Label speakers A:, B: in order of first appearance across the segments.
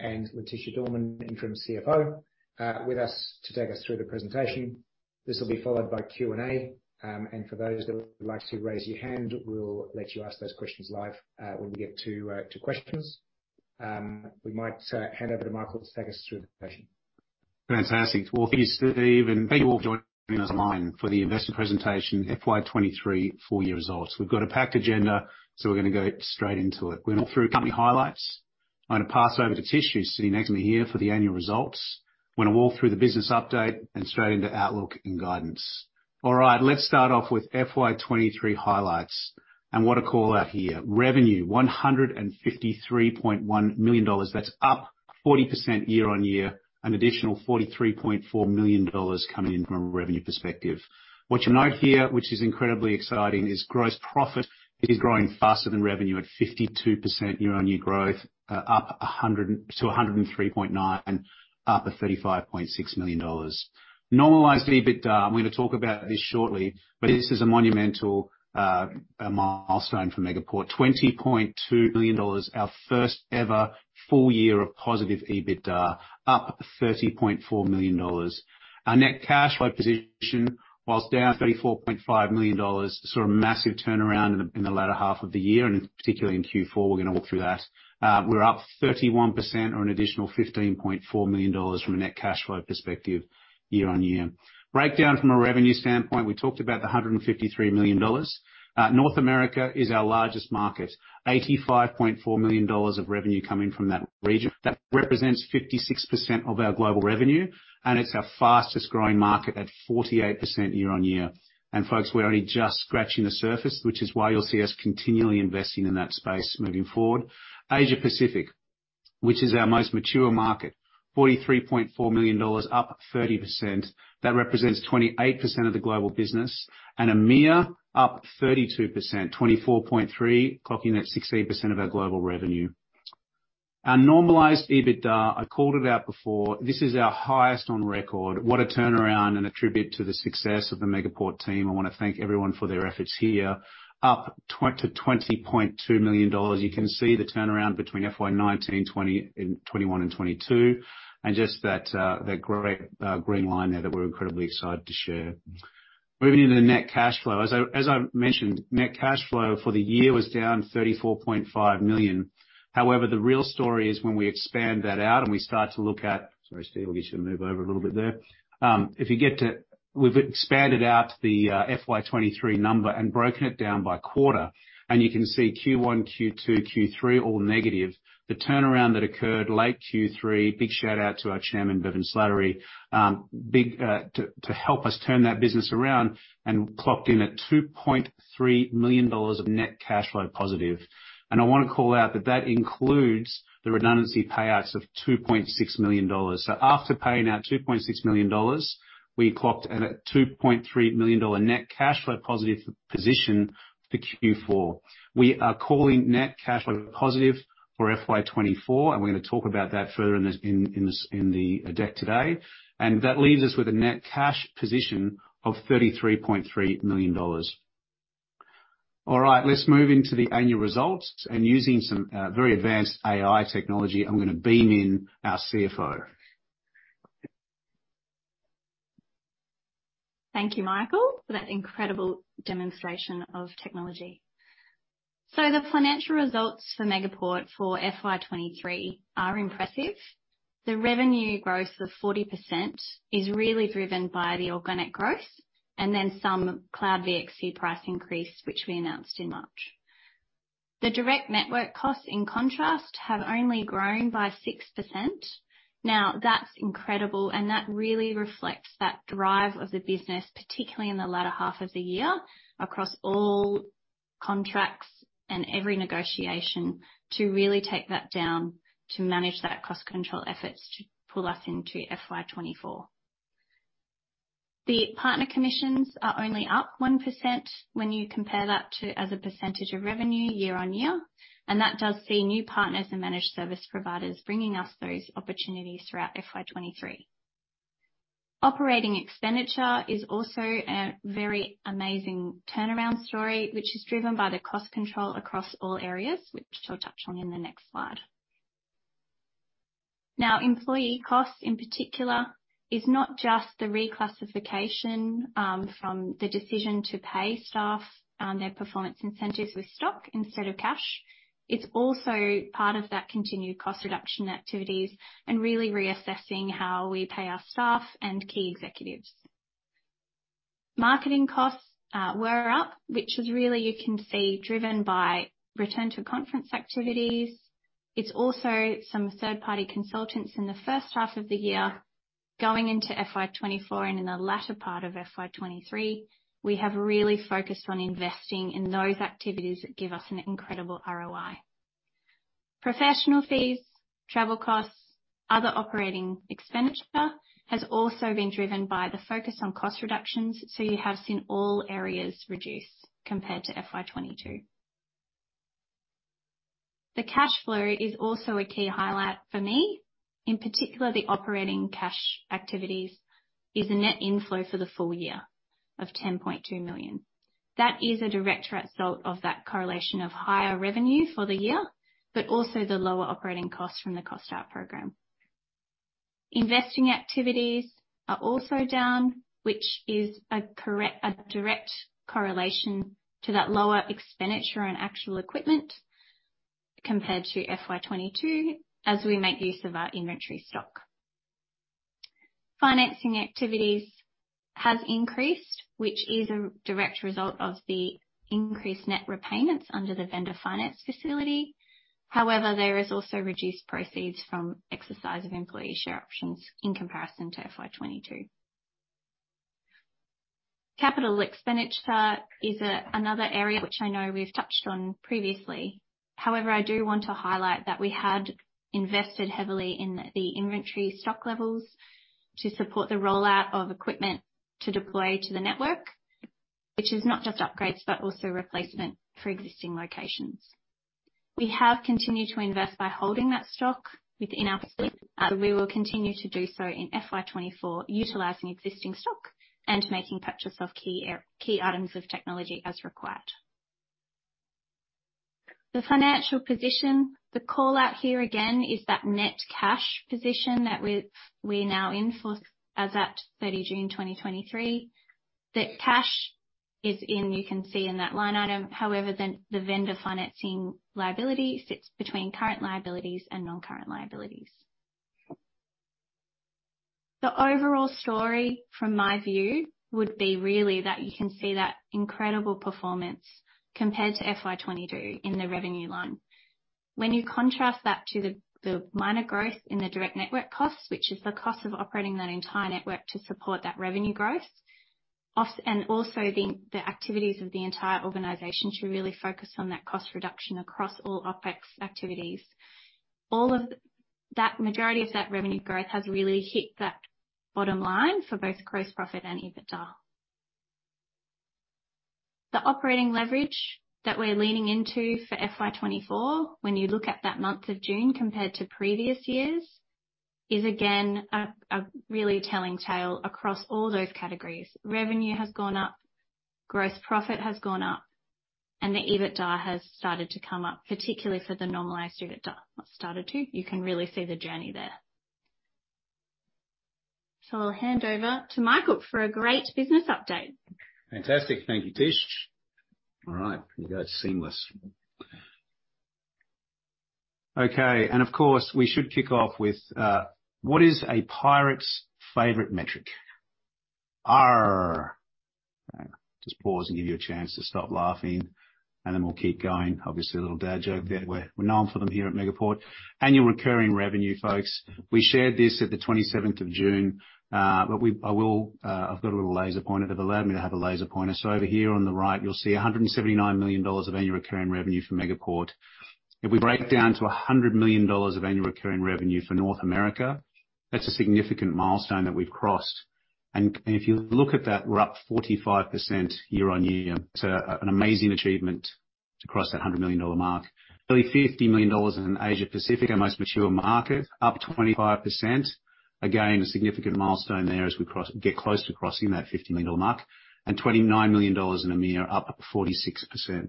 A: and Leticia Dorman, interim CFO, with us to take us through the presentation. This will be followed by Q&A. For those that would like to raise your hand, we'll let you ask those questions live when we get to questions. We might hand over to Michael to take us through the presentation.
B: Fantastic. Well, thank you, Steve, and thank you all for joining us online for the investor presentation, FY23 full year results. We've got a packed agenda, so we're going to go straight into it. We're going through company highlights. I'm going to pass over to Tish, sitting next to me here, for the annual results. We're going to walk through the business update and straight into outlook and guidance. All right, let's start off with FY23 highlights, and what a call out here. Revenue $153.1 million. That's up 40% year-over-year, an additional $43.4 million coming in from a revenue perspective. What you'll note here, which is incredibly exciting, is gross profit is growing faster than revenue at 52% year-on-year growth, up to $103.9 million, up $35.6 million. Normalized EBITDA, I'm going to talk about this shortly, but this is a monumental milestone for Megaport. $20.2 billion, our first ever full year of positive EBITDA, up $30.4 million. Our net cash flow position, whilst down $34.5 million, saw a massive turnaround in the latter half of the year, and particularly in Q4. We're going to walk through that. We're up 31% or an additional $15.4 million from a net cash flow perspective year-on-year. Breakdown from a revenue standpoint, we talked about the $153 million. North America is our largest market. $85.4 million of revenue coming from that region. That represents 56% of our global revenue, and it's our fastest growing market at 48% year-on-year. Folks, we're only just scratching the surface, which is why you'll see us continually investing in that space moving forward. Asia Pacific, which is our most mature market, $43.4 million, up 30%. That represents 28% of the global business. EMEA up 32%, $24.3 million, clocking at 16% of our global revenue. Our normalized EBITDA, I called it out before, this is our highest on record. What a turnaround and attribute to the success of the Megaport team. I want to thank everyone for their efforts here. Up to $20.2 million. You can see the turnaround between FY19, 2020, 2021, and 2022, just that great green line there that we're incredibly excited to share. Moving into the net cash flow. As I, as I've mentioned, net cash flow for the year was down $34.5 million. The real story is when we expand that out and we start to look at. Sorry, Steve, I'll get you to move over a little bit there. If you get to, we've expanded out the FY23 number and broken it down by quarter, you can see Q1, Q2, Q3, all negative. The turnaround that occurred late Q3, big shout out to our Chairman, Bevan Slattery, big to help us turn that business around clocked in at $2.3 million of net cash flow positive. I want to call out that that includes the redundancy payouts of $2.6 million. After paying out $2.6 million, we clocked at a $2.3 million net cash flow positive position for Q4. We are calling net cash flow positive for FY24, and we're going to talk about that further in this, in this, in the deck today. That leaves us with a net cash position of $33.3 million. All right, let's move into the annual results, and using some very advanced AI technology, I'm going to beam in our CFO.
C: Thank you, Michael, for that incredible demonstration of technology. The financial results for Megaport for FY23 are impressive. The revenue growth of 40% is really driven by the organic growth and then some Cloud VXC price increase, which we announced in March. The direct network costs, in contrast, have only grown by 6%. That's incredible, and that really reflects that drive of the business, particularly in the latter half of the year, across all contracts and every negotiation, to really take that down, to manage that cost control efforts to pull us into FY24. The partner commissions are only up 1% when you compare that to as a percentage of revenue year-on-year, that does see new partners and managed service providers bringing us those opportunities throughout FY23. Operating expenditure is also a very amazing turnaround story, which is driven by the cost control across all areas, which we'll touch on in the next slide. Now, employee costs, in particular, is not just the reclassification from the decision to pay staff their performance incentives with stock instead of cash. It's also part of that continued cost reduction activities and really reassessing how we pay our staff and key executives. Marketing costs were up, which is really, you can see, driven by return to conference activities. It's also some third-party consultants in the first half of the year going into FY24, and in the latter part of FY23, we have really focused on investing in those activities that give us an incredible ROI. Professional fees, travel costs, other operating expenditure, has also been driven by the focus on cost reductions, so you have seen all areas reduce compared to FY22. The cash flow is also a key highlight for me. In particular, the operating cash activities is the net inflow for the full year of $10.2 million. That is a direct result of that correlation of higher revenue for the year, but also the lower operating costs from the cost out program. Investing activities are also down, which is a direct correlation to that lower expenditure on actual equipment compared to FY22 as we make use of our inventory stock. Financing activities have increased, which is a direct result of the increased net repayments under the vendor finance facility. However, there is also reduced proceeds from exercise of employee share options in comparison to FY22. Capital expenditure is another area which I know we've touched on previously. However, I do want to highlight that we had invested heavily in the inventory stock levels to support the rollout of equipment to deploy to the network, which is not just upgrades, but also replacement for existing locations. We have continued to invest by holding that stock within our, so we will continue to do so in FY24, utilizing existing stock and making purchase of key items of technology as required. The financial position, the call-out here again, is that net cash position that we're now in for as at 30th June 2023. That cash is in, you can see in that line item, however, the vendor financing liability sits between current liabilities and non-current liabilities. The overall story, from my view, would be really that you can see that incredible performance compared to FY22 in the revenue line. When you contrast that to the minor growth in the direct network costs, which is the cost of operating that entire network to support that revenue growth, and also the activities of the entire organization to really focus on that cost reduction across all OpEx activities. Majority of that revenue growth has really hit that bottom line for both gross profit and EBITDA. The operating leverage that we're leaning into for FY24, when you look at that month of June compared to previous years, is again a really telling tale across all those categories. Revenue has gone up, gross profit has gone up, and the EBITDA has started to come up, particularly for the normalized EBITDA. Not started to, you can really see the journey there. I'll hand over to Michael for a great business update.
B: Fantastic. Thank you, Tish. All right, you go seamless. Okay, of course, we should kick off with what is a pirate's favorite metric? Arrrrr. Just pause and give you a chance to stop laughing, and then we'll keep going. Obviously, a little dad joke there. We're, we're known for them here at Megaport. Annual Recurring Revenue, folks. We shared this at the 27th of June, but we-- I will, I've got a little laser pointer. They've allowed me to have a laser pointer. So over here on the right, you'll see $179 million of Annual Recurring Revenue for Megaport. If we break it down to $100 million of Annual Recurring Revenue for North America, that's a significant milestone that we've crossed. If you look at that, we're up 45% year-over-year. It's an amazing achievement to cross that $100 million mark. Nearly $50 million in Asia Pacific, our most mature market, up 25%. Again, a significant milestone there as we get close to crossing that $50 million mark, and $29 million in EMEA, up 46%.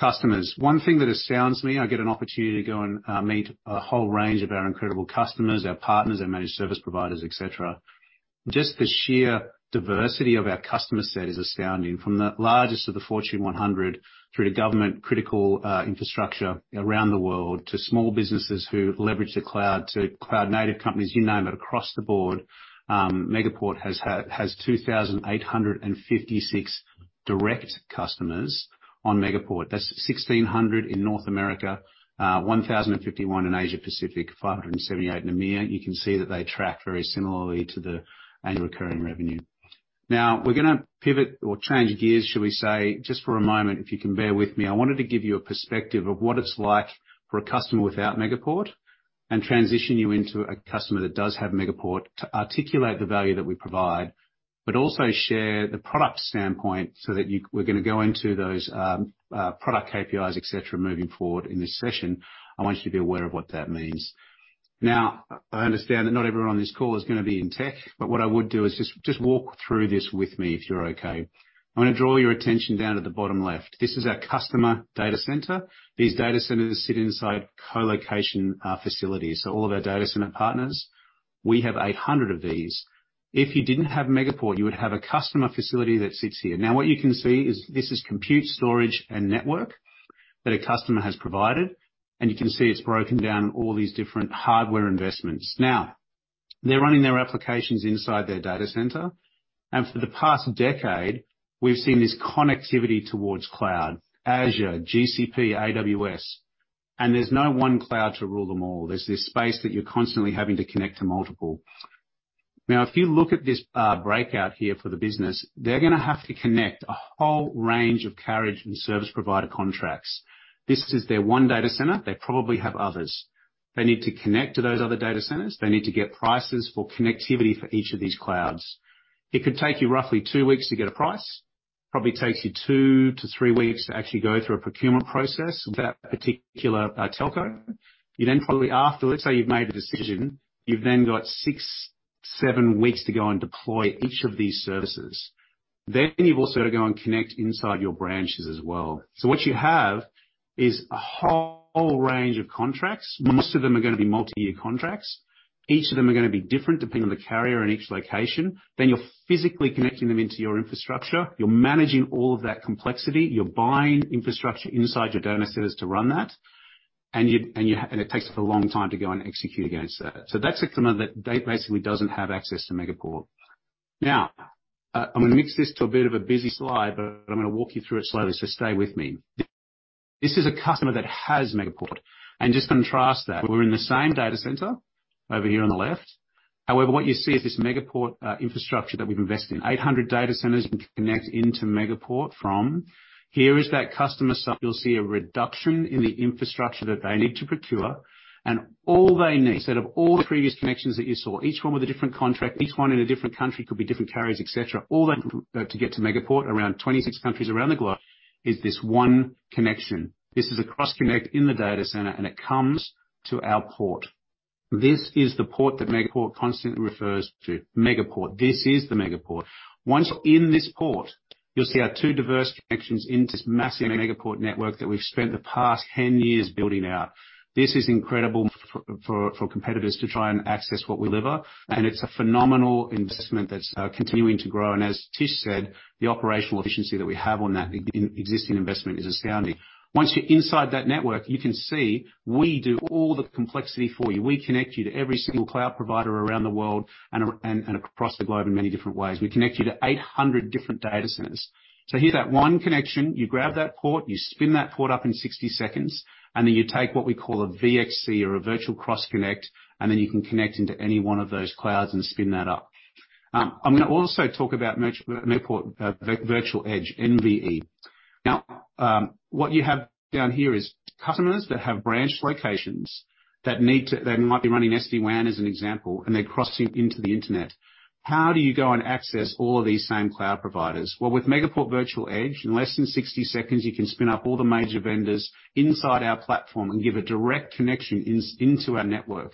B: Customers. One thing that astounds me, I get an opportunity to go and meet a whole range of our incredible customers, our partners, our managed service providers, et cetera. Just the sheer diversity of our customer set is astounding. From the largest of the Fortune 100, through to government critical infrastructure around the world, to small businesses who leverage the cloud, to cloud-native companies, you name it, across the board, Megaport has 2,856 direct customers on Megaport. That's 1,600 in North America, 1,051 in Asia Pacific, 578 in EMEA. You can see that they track very similarly to the annual recurring revenue. We're going to pivot or change gears, should we say, just for a moment, if you can bear with me. I wanted to give you a perspective of what it's like for a customer without Megaport, and transition you into a customer that does have Megaport, to articulate the value that we provide, but also share the product standpoint so that we're going to go into those product KPIs, et cetera, moving forward in this session. I want you to be aware of what that means. I understand that not everyone on this call is going to be in tech, but what I would do is just, just walk through this with me if you're okay. I'm going to draw your attention down to the bottom left. This is our customer data center. These data centers sit inside colocation facilities, so all of our data center partners. We have 800 of these. If you didn't have Megaport, you would have a customer facility that sits here. What you can see is this is compute, storage, and network that a customer has provided, and you can see it's broken down in all these different hardware investments. They're running their applications inside their data center, and for the past decade, we've seen this connectivity towards cloud, Azure, GCP, AWS, and there's no one cloud to rule them all. There's this space that you're constantly having to connect to multiple. If you look at this breakout here for the business, they're going to have to connect a whole range of carriage and service provider contracts. This is their one data center. They probably have others. They need to connect to those other data centers. They need to get prices for connectivity for each of these clouds. It could take you roughly 2 weeks to get a price. It probably takes you 2 weeks-3 weeks to actually go through a procurement process with that particular telco. You then probably after, let's say, you've made a decision, you've then got 6 weeks-7 weeks to go and deploy each of these services. You've also to go and connect inside your branches as well. What you have is a whole range of contracts. Most of them are going to be multi-year contracts. Each of them are going to be different, depending on the carrier in each location. You're physically connecting them into your infrastructure. You're managing all of that complexity. You're buying infrastructure inside your data centers to run that, it takes a long time to go and execute against that. That's a customer that basically doesn't have access to Megaport. I'm going to mix this to a bit of a busy slide, I'm going to walk you through it slowly, stay with me. This is a customer that has Megaport, just contrast that. We're in the same data center over here on the left. However, what you see is this Megaport infrastructure that we've invested in. 800 data centers we connect into Megaport from. Here is that customer. You'll see a reduction in the infrastructure that they need to procure, and all they need, instead of all the previous connections that you saw, each one with a different contract, each one in a different country, could be different carriers, et cetera. All they need to get to Megaport, around 26 countries around the globe, is this one connection. This is a cross connect in the data center, and it comes to our port. This is the port that Megaport constantly refers to. Megaport. This is the Megaport. Once you're in this port, you'll see our two diverse connections into this massive Megaport network that we've spent the past 10 years building out. This is incredible for competitors to try and access what we deliver. It's a phenomenal investment that's continuing to grow. As Tish said, the operational efficiency that we have on that existing investment is astounding. Once you're inside that network, you can see we do all the complexity for you. We connect you to every single cloud provider around the world and across the globe in many different ways. We connect you to 800 different data centers. Here's that one connection. You grab that port, you spin that port up in 60 seconds, and then you take what we call a VXC or a Virtual Cross Connect, and then you can connect into any 1 of those clouds and spin that up. I'm going to also talk about Megaport Virtual Edge, MVE. Now, what you have down here is customers that have branch locations that need to... They might be running SD-WAN, as an example, and they're crossing into the Internet. How do you go and access all of these same cloud providers? With Megaport Virtual Edge, in less than 60 seconds, you can spin up all the major vendors inside our platform and give a direct connection into our network.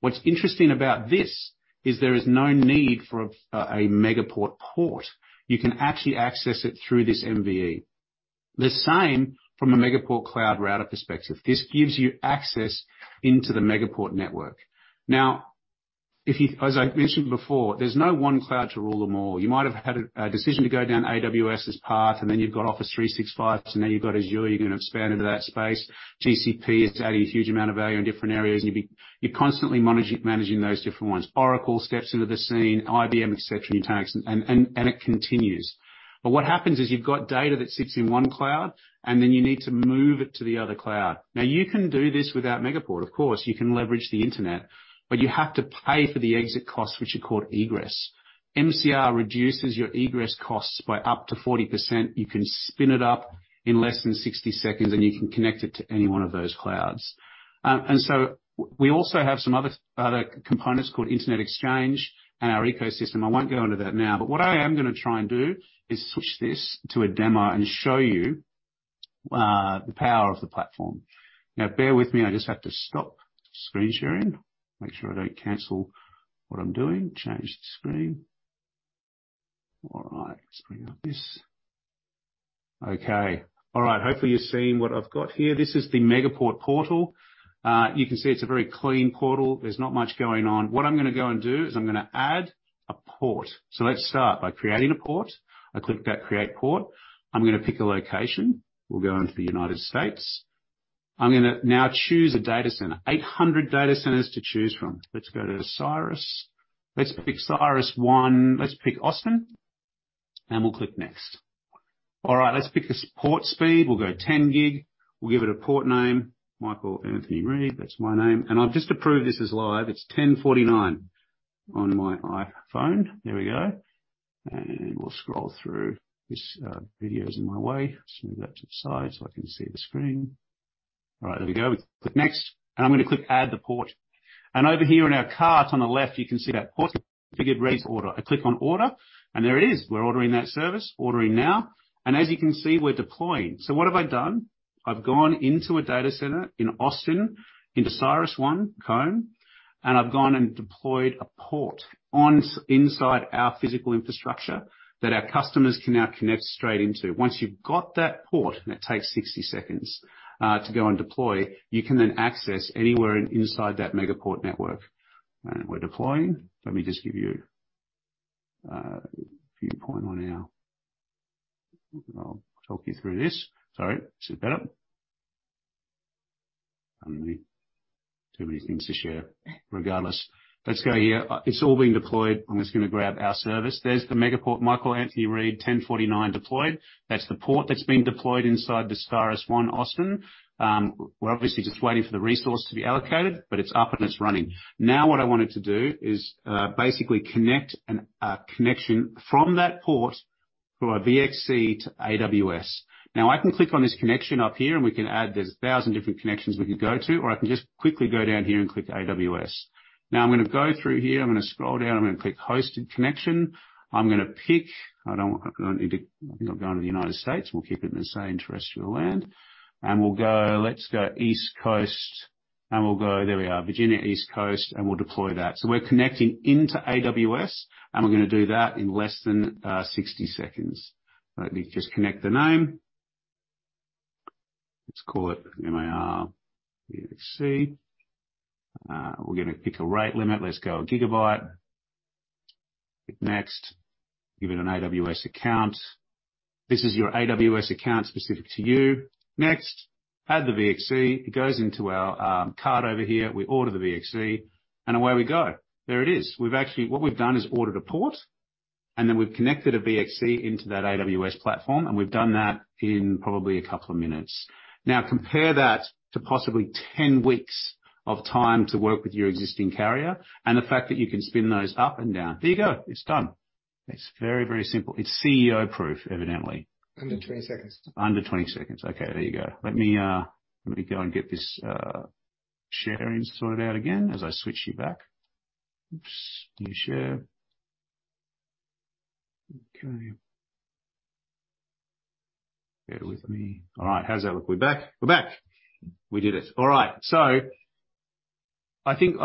B: What's interesting about this is there is no need for a Megaport port. You can actually access it through this MVE. The same from a Megaport Cloud Router perspective. This gives you access into the Megaport network. As I mentioned before, there's no one cloud to rule them all. You might have had a decision to go down AWS's path, and then you've got Office 365, so you've got Azure, you're going to expand into that space. GCP is adding a huge amount of value in different areas, and you're constantly managing those different ones. Oracle steps into the scene, IBM, et cetera, and you tag, and, and, and it continues. What happens is you've got data that sits in one cloud, and then you need to move it to the other cloud. Now, you can do this without Megaport, of course. You can leverage the Internet, but you have to pay for the exit costs, which are called egress. MCR reduces your egress costs by up to 40%. You can spin it up in less than 60% seconds, and you can connect it to any one of those clouds. So we also have some other, other components called Internet Exchange and our ecosystem. I won't go into that now, but what I am going to try and do is switch this to a demo and show you the power of the platform. Now, bear with me, I just have to stop screen sharing. Make sure I don't cancel what I'm doing. Change the screen. All right. Let's bring up this. Okay. All right. Hopefully, you're seeing what I've got here. This is the Megaport Portal. You can see it's a very clean portal. There's not much going on. What I'm going to go and do is I'm going to add a port. Let's start by creating a port. I click that Create Port. I'm going to pick a location. We'll go into the United States. I'm going to now choose a data center. 800 data centers to choose from. Let's go to CyrusOne. Let's pick CyrusOne 1. Let's pick Austin. We'll click Next. All right, let's pick a port speed. We'll go 10 gig. We'll give it a port name. Michael Anthony Reid, that's my name. I've just approved this as live. It's 10:49 on my iPhone. There we go. We'll scroll through. This video is in my way. Let's move that to the side so I can see the screen. All right, there we go. Click Next. I'm going to click Add the port. Over here in our cart on the left, you can see that port-to-grid race order. I click on Order. There it is. We're ordering that service. Ordering now. As you can see, we're deploying. What have I done? I've gone into a data center in Austin, into CyrusOne, and I've gone and deployed a port on inside our physical infrastructure that our customers can now connect straight into. Once you've got that port, and it takes 60 seconds to go and deploy, you can then access anywhere inside that Megaport network. We're deploying. Let me just give you a viewpoint on our... I'll talk you through this. Sorry, is it better? Too many things to share. Regardless, let's go here. It's all been deployed. I'm just going to grab our service. There's the Megaport, Michael Anthony Reed, 10:49 deployed. That's the port that's been deployed inside the CyrusOne, Austin. We're obviously just waiting for the resource to be allocated, but it's up and it's running. What I wanted to do is basically connect a connection from that port for our VXC to AWS. I can click on this connection up here, we can add there's 1,000 different connections we could go to, or I can just quickly go down here and click AWS. I'm going to go through here, I'm going to scroll down, I'm going to click Hosted Connection. I'm going to pick I don't want, I don't need to, not go into the United States. We'll keep it in the same terrestrial land, we'll go... Let's go East Coast, we'll go, there we are, Virginia, East Coast, we'll deploy that. We're connecting into AWS, and we're going to do that in less than 60 seconds. Let me just connect the name. Let's call it MIR VXC. We're going to pick a rate limit. Let's go 1 GB. Click Next. Give it an AWS account. This is your AWS account specific to you. Next, add the VXC. It goes into our cart over here. We order the VXC, and away we go. There it is. We've actually-- What we've done is ordered a port, and then we've connected a VXC into that AWS platform, and we've done that in probably a couple of minutes. Now, compare that to possibly 10 weeks of time to work with your existing carrier, and the fact that you can spin those up and down. There you go. It's done. It's very, very simple. It's CEO-proof, evidently.
D: Under 20 seconds.
B: Under 20 seconds. Okay, there you go. Let me, let me go and get this sharing sorted out again as I switch you back. Oops, new share. Okay. Bear with me. How does that look? We're back? We're back! We did it. I think,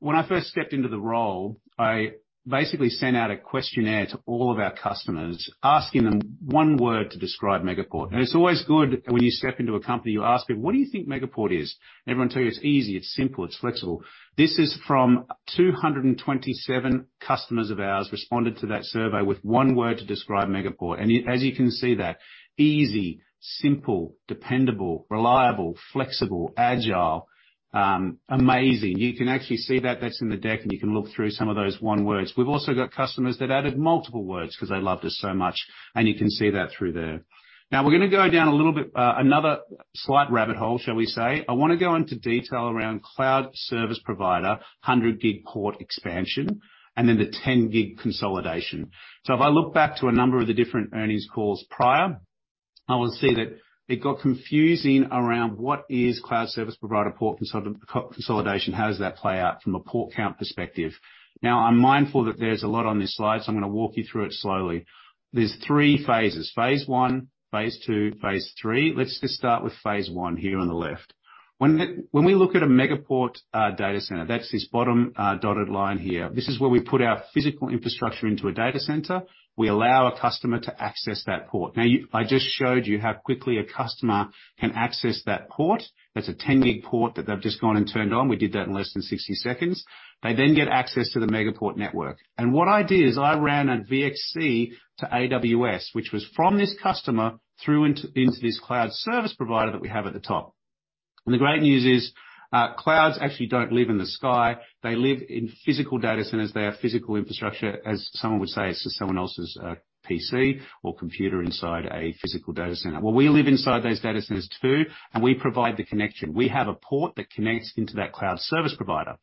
B: when I first stepped into the role, I basically sent out a questionnaire to all of our customers, asking them one word to describe Megaport. It's always good when you step into a company, you ask people: "What do you think Megaport is?" Everyone tells you, "It's easy, it's simple, it's flexible." This is from 227 customers of ours, responded to that survey with one word to describe Megaport. As you can see that: easy, simple, dependable, reliable, flexible, agile, amazing. You can actually see that, that's in the deck, and you can look through some of those one words. We've also got customers that added multiple words because they loved us so much, and you can see that through there. We're going to go down a little bit, another slight rabbit hole, shall we say. I want to go into detail around cloud service provider, 100 gig port expansion, and then the 10 gig consolidation. If I look back to a number of the different earnings calls prior, I will see that it got confusing around what is cloud service provider port consolidation, how does that play out from a port count perspective? I'm mindful that there's a lot on this slide, so I'm going to walk you through it slowly. There's 3 phases: Phase one, phase two, phase three. Let's just start with phase one here on the left. When we look at a Megaport data center, that's this bottom dotted line here. This is where we put our physical infrastructure into a data center. We allow a customer to access that port. Now, I just showed you how quickly a customer can access that port. That's a 10 gig port that they've just gone and turned on. We did that in less than 60 seconds. They get access to the Megaport network. What I did is I ran a VXC to AWS, which was from this customer through, into this cloud service provider that we have at the top. The great news is, clouds actually don't live in the sky, they live in physical data centers. They are physical infrastructure, as someone would say, it's just someone else's PC or computer inside a physical data center. Well, we live inside those data centers, too, and we provide the connection. We have a port that connects into that cloud service provider.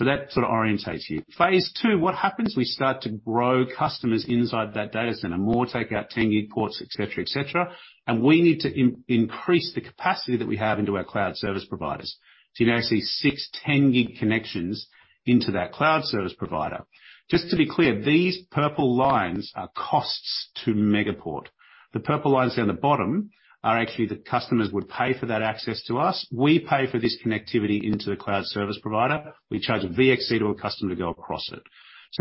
B: That sort of orientates you. Phase two, what happens? We start to grow customers inside that data center. More take out 10 gig ports, et cetera, et cetera, and we need to increase the capacity that we have into our cloud service providers. You now see 6 10 gig connections into that cloud service provider. Just to be clear, these purple lines are costs to Megaport. The purple lines down the bottom are actually, the customers would pay for that access to us. We pay for this connectivity into the cloud service provider. We charge a VXC to a customer to go across it.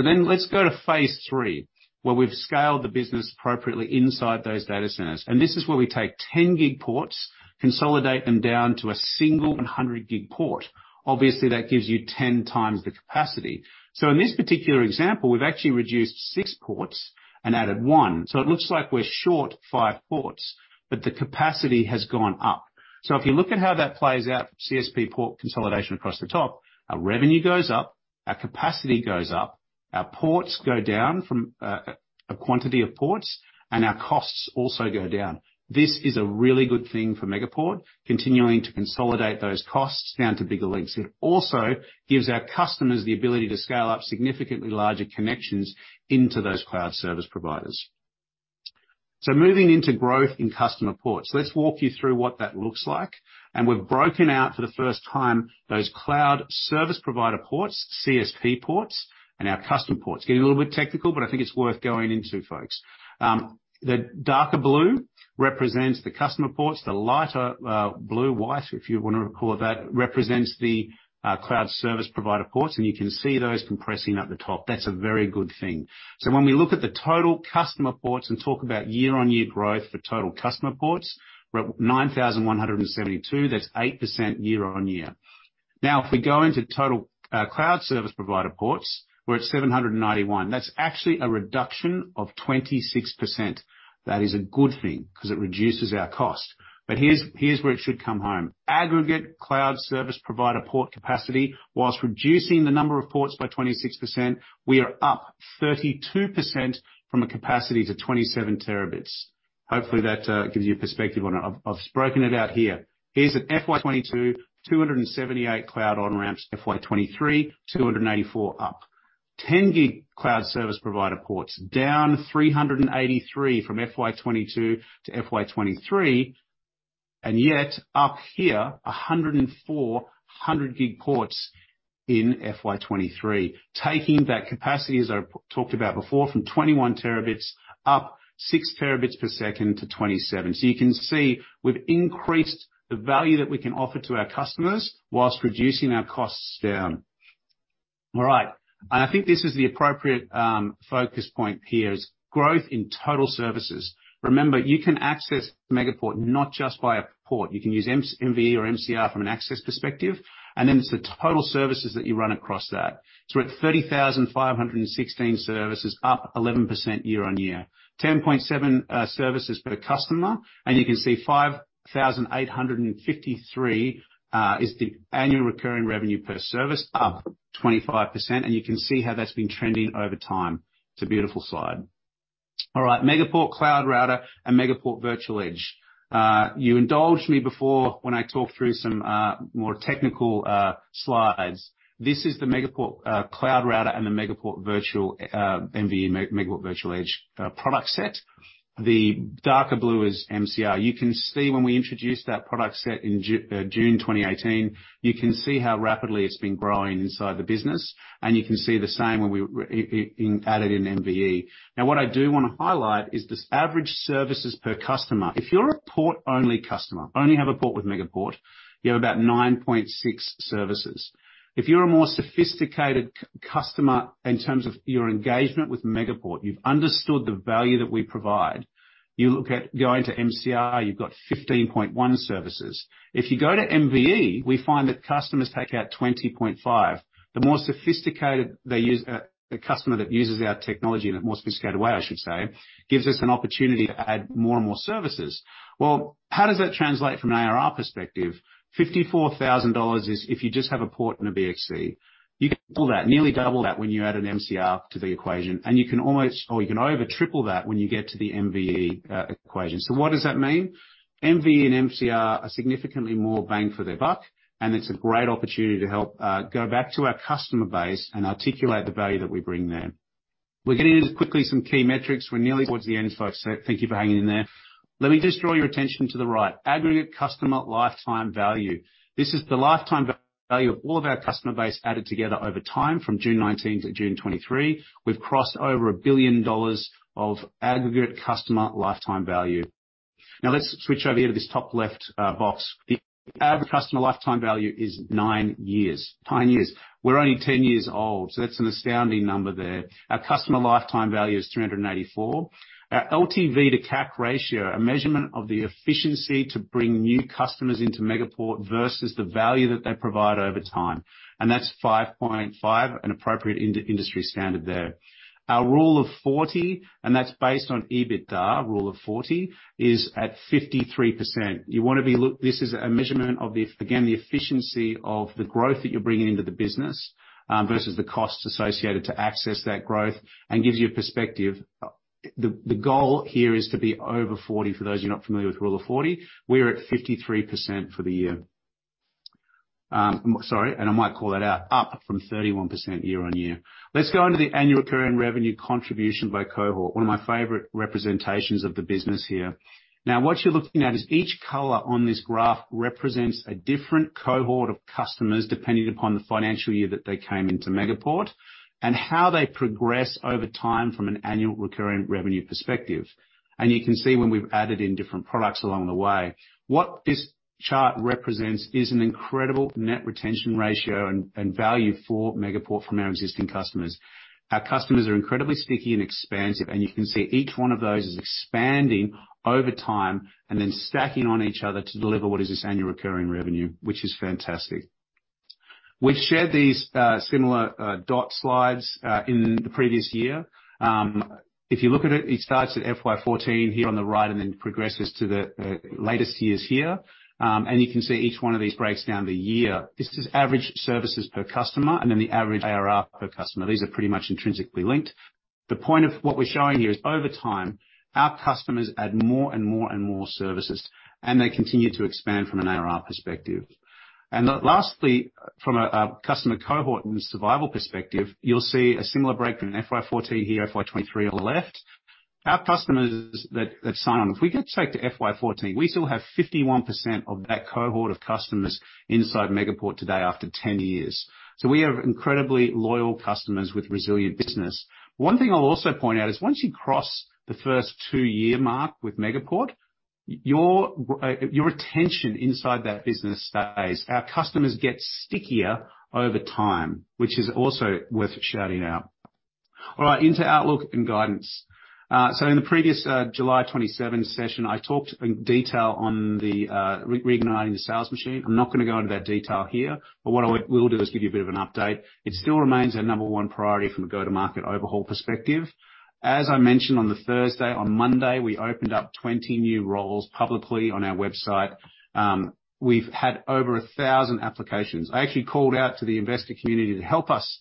B: Let's go to phase III, where we've scaled the business appropriately inside those data centers. This is where we take 10 gig ports, consolidate them down to a single 100 gig port. Obviously, that gives you 10 times the capacity. In this particular example, we've actually reduced six ports and added one. It looks like we're short five ports, but the capacity has gone up. If you look at how that plays out, CSP port consolidation across the top, our revenue goes up, our capacity goes up, our ports go down from a quantity of ports, and our costs also go down. This is a really good thing for Megaport, continuing to consolidate those costs down to bigger links. It also gives our customers the ability to scale up significantly larger connections into those cloud service providers. Moving into growth in customer ports. Let's walk you through what that looks like, and we've broken out for the first time those cloud service provider ports, CSP ports, and our customer ports. Getting a little bit technical, but I think it's worth going into, folks. The darker blue represents the customer ports. The lighter blue, white, if you want to call it that, represents the cloud service provider ports, and you can see those compressing at the top. That's a very good thing. When we look at the total customer ports and talk about year-on-year growth for total customer ports, we're at 9,172. That's 8% year-on-year. If we go into total cloud service provider ports, we're at 791. That's actually a reduction of 26%. That is a good thing because it reduces our cost. Here's, here's where it should come home. Aggregate cloud service provider port capacity, whilst reducing the number of ports by 26%, we are up 32% from a capacity to 27 Tb. Hopefully that gives you a perspective on it. I've, I've broken it out here. Here's an FY22, 278 cloud on-ramps, FY23, 284 up. 10 gig cloud service provider ports, down 383 from FY22 to FY23, and yet up here, 100 gig and 400 gig ports in FY23. Taking that capacity, as I talked about before, from 21 Tb, up 6 Tb per second to 27. You can see we've increased the value that we can offer to our customers whilst reducing our costs down. I think this is the appropriate focus point here is growth in total services. Remember, you can access Megaport not just by a port. You can use MVE or MCR from an access perspective, and then it's the total services that you run across that. We're at 30,516 services, up 11% year-on-year. 10.7 services per customer, and you can see 5,853 is the annual recurring revenue per service, up 25%, and you can see how that's been trending over time. It's a beautiful slide. Megaport Cloud Router and Megaport Virtual Edge. You indulged me before when I talked through some more technical slides. This is the Megaport Cloud Router and the Megaport Virtual Edge product set. The darker blue is MCR. You can see when we introduced that product set in June 2018, you can see how rapidly it's been growing inside the business, and you can see the same when we added in MVE. Now, what I do want to highlight is this average services per customer. If you're a port-only customer, only have a port with Megaport, you have about 9.6 services. If you're a more sophisticated customer in terms of your engagement with Megaport, you've understood the value that we provide. You look at going to MCR, you've got 15.1 services. If you go to MVE, we find that customers take out 20.5. The more sophisticated they use... The customer that uses our technology in a more sophisticated way, I should say, gives us an opportunity to add more and more services. Well, how does that translate from an ARR perspective? $54,000 is if you just have a port and a VXC. You 2x that, nearly 2x that when you add an MCR to the equation, and you can almost, or you can over 3x that when you get to the MVE equation. What does that mean? MVE and MCR are significantly more bang for their buck, and it's a great opportunity to help go back to our customer base and articulate the value that we bring there. We're getting into, quickly, some key metrics. We're nearly towards the end, folks, so thank you for hanging in there. Let me just draw your attention to the right. Aggregate customer lifetime value. This is the lifetime value of all of our customer base added together over time from June 2019 to June 2023. We've crossed over $1 billion of aggregate customer lifetime value. Let's switch over here to this top left box. The average customer lifetime value is nine years. Nine years. We're only 10 years old, so that's an astounding number there. Our customer lifetime value is $384. Our LTV to CAC ratio, a measurement of the efficiency to bring new customers into Megaport versus the value that they provide over time, that's 5.5, an appropriate industry standard there. Our Rule of 40%, that's based on EBITDA, Rule of 40%, is at 53%. You want to be this is a measurement of the, again, the efficiency of the growth that you're bringing into the business, versus the costs associated to access that growth and gives you a perspective. The goal here is to be over 40%, for those of you not familiar with Rule of 40%. We're at 53% for the year. Sorry, and I might call that out, up from 31% year on year. Let's go into the annual recurring revenue contribution by cohort, one of my favorite representations of the business here. Now, what you're looking at is each color on this graph represents a different cohort of customers, depending upon the financial year that they came into Megaport, and how they progress over time from an annual recurring revenue perspective. You can see when we've added in different products along the way. What this chart represents is an incredible net retention ratio and value for Megaport from our existing customers. Our customers are incredibly sticky and expansive. You can see each one of those is expanding over time and then stacking on each other to deliver what is this annual recurring revenue, which is fantastic. We've shared these similar dot slides in the previous year. If you look at it, it starts at FY14 here on the right and then progresses to the latest years here. You can see each one of these breaks down the year. This is average services per customer, and then the average ARR per customer. These are pretty much intrinsically linked. The point of what we're showing here is, over time, our customers add more and more and more services, they continue to expand from an ARR perspective. Lastly, from a customer cohort and survival perspective, you'll see a similar breakdown in FY14 here, FY23 on the left. Our customers that sign on, if we go take to FY14, we still have 51% of that cohort of customers inside Megaport today after 10 years. We have incredibly loyal customers with resilient business. One thing I'll also point out is once you cross the first two-year mark with Megaport, your retention inside that business stays. Our customers get stickier over time, which is also worth shouting out. All right, into outlook and guidance. In the previous July 27th session, I talked in detail on the re-reigniting the sales machine. I'm not going to go into that detail here, but what I will do is give you a bit of an update. It still remains our number one priority from a go-to-market overhaul perspective. As I mentioned on the Thursday, on Monday, we opened up 20 new roles publicly on our website. We've had over 1,000 applications. I actually called out to the investor community to help us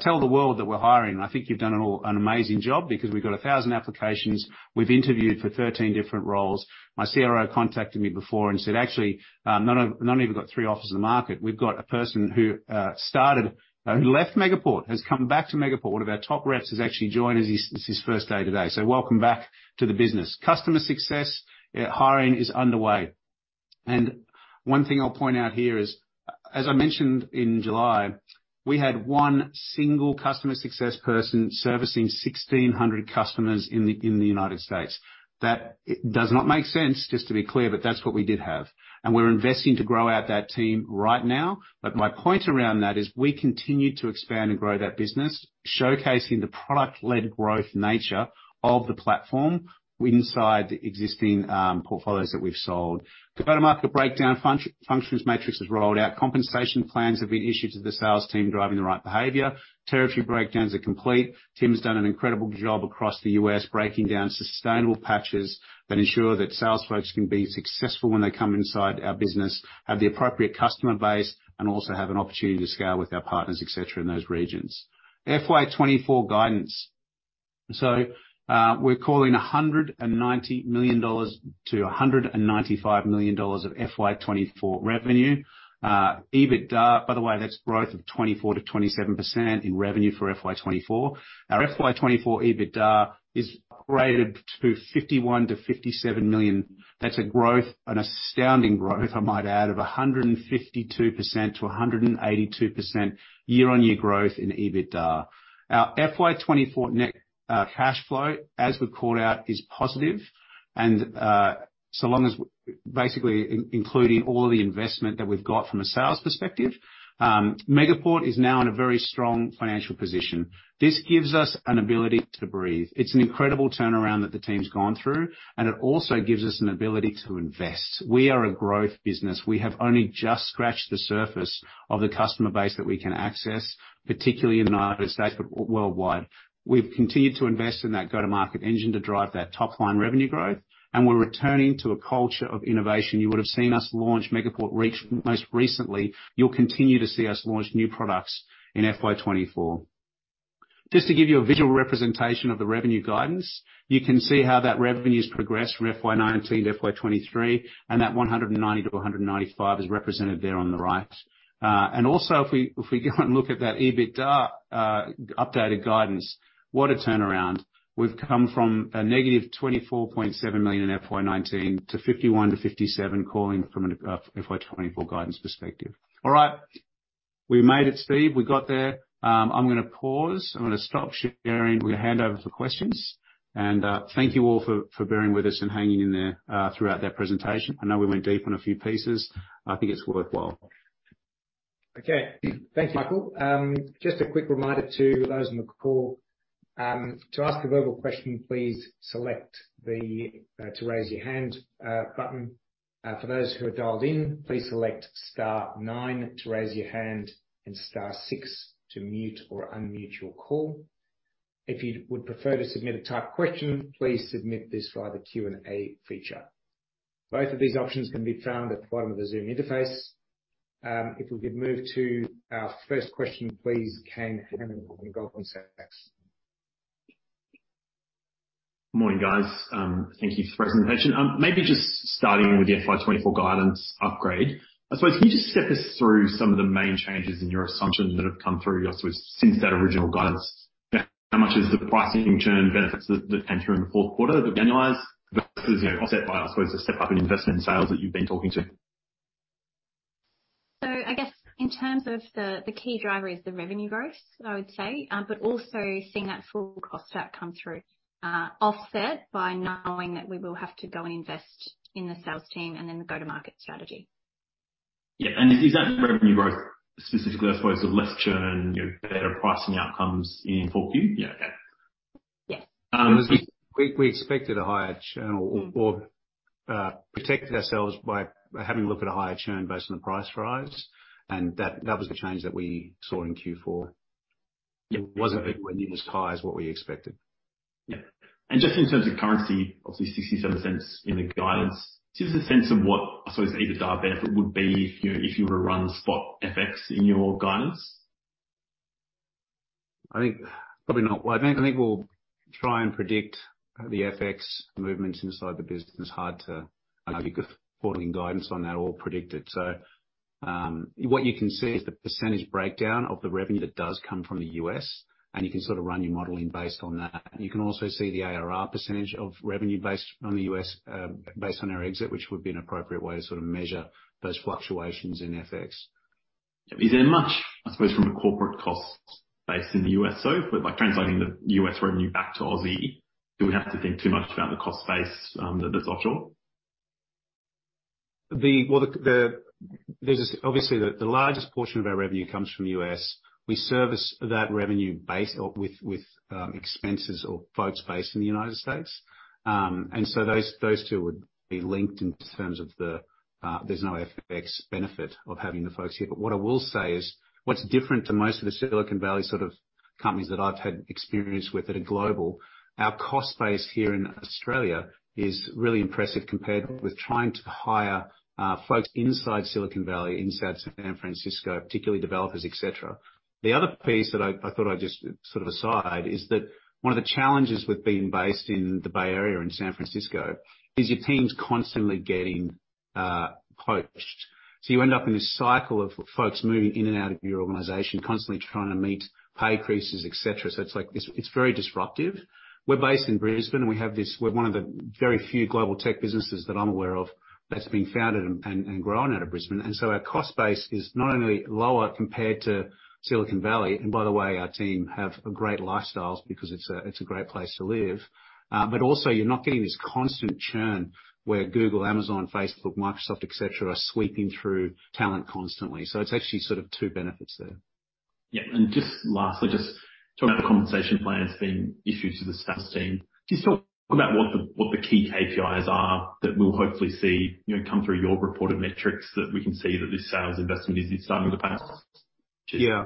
B: tell the world that we're hiring. I think you've done an amazing job because we've got 1,000 applications. We've interviewed for 13 different roles. My CRO contacted me before and said, "Actually, not even got three offers on the market. We've got a person who started, left Megaport, has come back to Megaport. One of our top reps has actually joined us. It's his first day today. Welcome back to the business. Customer success hiring is underway. One thing I'll point out here is, as I mentioned, in July, we had one single customer success person servicing 1,600 customers in the United States. That does not make sense, just to be clear, but that's what we did have. We're investing to grow out that team right now. My point around that is we continue to expand and grow that business, showcasing the product-led growth nature of the platform inside the existing portfolios that we've sold. The go-to-market breakdown functions matrix is rolled out. Compensation plans have been issued to the sales team, driving the right behavior. Territory breakdowns are complete. Tim's done an incredible job across the US, breaking down sustainable patches that ensure that sales folks can be successful when they come inside our business, have the appropriate customer base, and also have an opportunity to scale with our partners, et cetera, in those regions. FY24 guidance. We're calling $190 million-$195 million of FY24 revenue. EBITDA, by the way, that's growth of 24%-27% in revenue for FY24. Our FY24 EBITDA is graded to $51 million-$57 million. That's a growth, an astounding growth, I might add, of 152%-182% year-on-year growth in EBITDA. Our FY24 net cash flow, as we called out, is positive. Basically, including all the investment that we've got from a sales perspective, Megaport is now in a very strong financial position. This gives us an ability to breathe. It's an incredible turnaround that the team's gone through, and it also gives us an ability to invest. We are a growth business. We have only just scratched the surface of the customer base that we can access, particularly in the United States, but worldwide. We've continued to invest in that go-to-market engine to drive that top line revenue growth, and we're returning to a culture of innovation. You would have seen us launch Megaport Reach most recently. You'll continue to see us launch new products in FY24. Just to give you a visual representation of the revenue guidance, you can see how that revenue's progressed from FY19 to FY23, and that $190 million-$195 million is represented there on the right. Also, if we, if we go and look at that EBITDA updated guidance, what a turnaround. We've come from -$24.7 million in FY19 to $51 million-$57 million, calling from an FY24 guidance perspective. All right, we made it, Steve. We got there. I'm going to pause. I'm going to stop sharing. We're going to hand over for questions. Thank you all for, for bearing with us and hanging in there throughout that presentation. I know we went deep on a few pieces. I think it's worthwhile.
A: Okay. Thanks, Michael. Just a quick reminder to those on the call, to ask a verbal question, please select the to raise your hand button. For those who are dialed in, please select star nine to raise your hand and star six to mute or unmute your call. If you would prefer to submit a typed question, please submit this via the Q&A feature. Both of these options can be found at the bottom of the Zoom interface. If we could move to our first question, please, Kane Hannan from Goldman Sachs.
E: Morning, guys. Thank you for the presentation. Maybe just starting with the FY24 guidance upgrade, I suppose, can you just step us through some of the main changes in your assumptions that have come through since that original guidance? How much is the pricing churn benefits that came through in the fourth quarter, that annualize versus, you know, offset by, I suppose, the step up in investment sales that you've been talking to?
C: I guess in terms of the, the key driver is the revenue growth, I would say, but also seeing that full cost out come through, offset by knowing that we will have to go invest in the sales team and then the go-to-market strategy.
E: Yeah. Is that revenue growth specifically, I suppose, less churn, you know, better pricing outcomes in full view? Yeah.
C: Yeah.
B: We, we expected a higher churn or, or, protected ourselves by having a look at a higher churn based on the price rise, and that, that was the change that we saw in Q4.
E: Yeah.
B: It wasn't nearly as high as what we expected.
E: Yeah. just in terms of currency, obviously 67 cents in the guidance. Just a sense of what, I suppose, the EBITDA benefit would be if you, if you were to run spot FX in your guidance?
B: I think probably not. Well, I think, I think we'll try and predict the FX movements inside the business. Hard to give forwarding guidance on that or predict it. What you can see is the percent breakdown of the revenue that does come from the US, and you can sort of run your modeling based on that. You can also see the ARR % of revenue based on the US, based on our exit, which would be an appropriate way to sort of measure those fluctuations in FX.
E: Is there much, I suppose, from a corporate cost base in the U.S., though? By translating the U.S. revenue back to Aussie, do we have to think too much about the cost base that is offshore?
B: The, well, the, the, there's obviously the, the largest portion of our revenue comes from the US. We service that revenue base or with, with, expenses or folks based in the United States. So those, those two would be linked in terms of the, there's no FX benefit of having the folks here. What I will say is, what's different to most of the Silicon Valley sort of companies that I've had experience with at a global, our cost base here in Australia is really impressive compared with trying to hire, folks inside Silicon Valley, inside San Francisco, particularly developers, et cetera. The other piece that I, I thought I'd just sort of aside, is that one of the challenges with being based in the Bay Area, in San Francisco, is your team's constantly getting, poached. You end up in this cycle of folks moving in and out of your organization, constantly trying to meet pay increases, et cetera. It's like this, it's very disruptive. We're based in Brisbane, and we have this, we're one of the very few global tech businesses that I'm aware of that's been founded and, and grown out of Brisbane. Our cost base is not only lower compared to Silicon Valley, and by the way, our team have great lifestyles because it's a, it's a great place to live. But also you're not getting this constant churn where Google, Amazon, Facebook, Microsoft, et cetera, are sweeping through talent constantly. It's actually sort of two benefits there.
E: Yeah. Just lastly, just talk about the compensation plan that's been issued to the sales team. Can you talk about what the key KPIs are that we'll hopefully see, you know, come through your reported metrics, that we can see that this sales investment is starting to pay?
B: Yeah.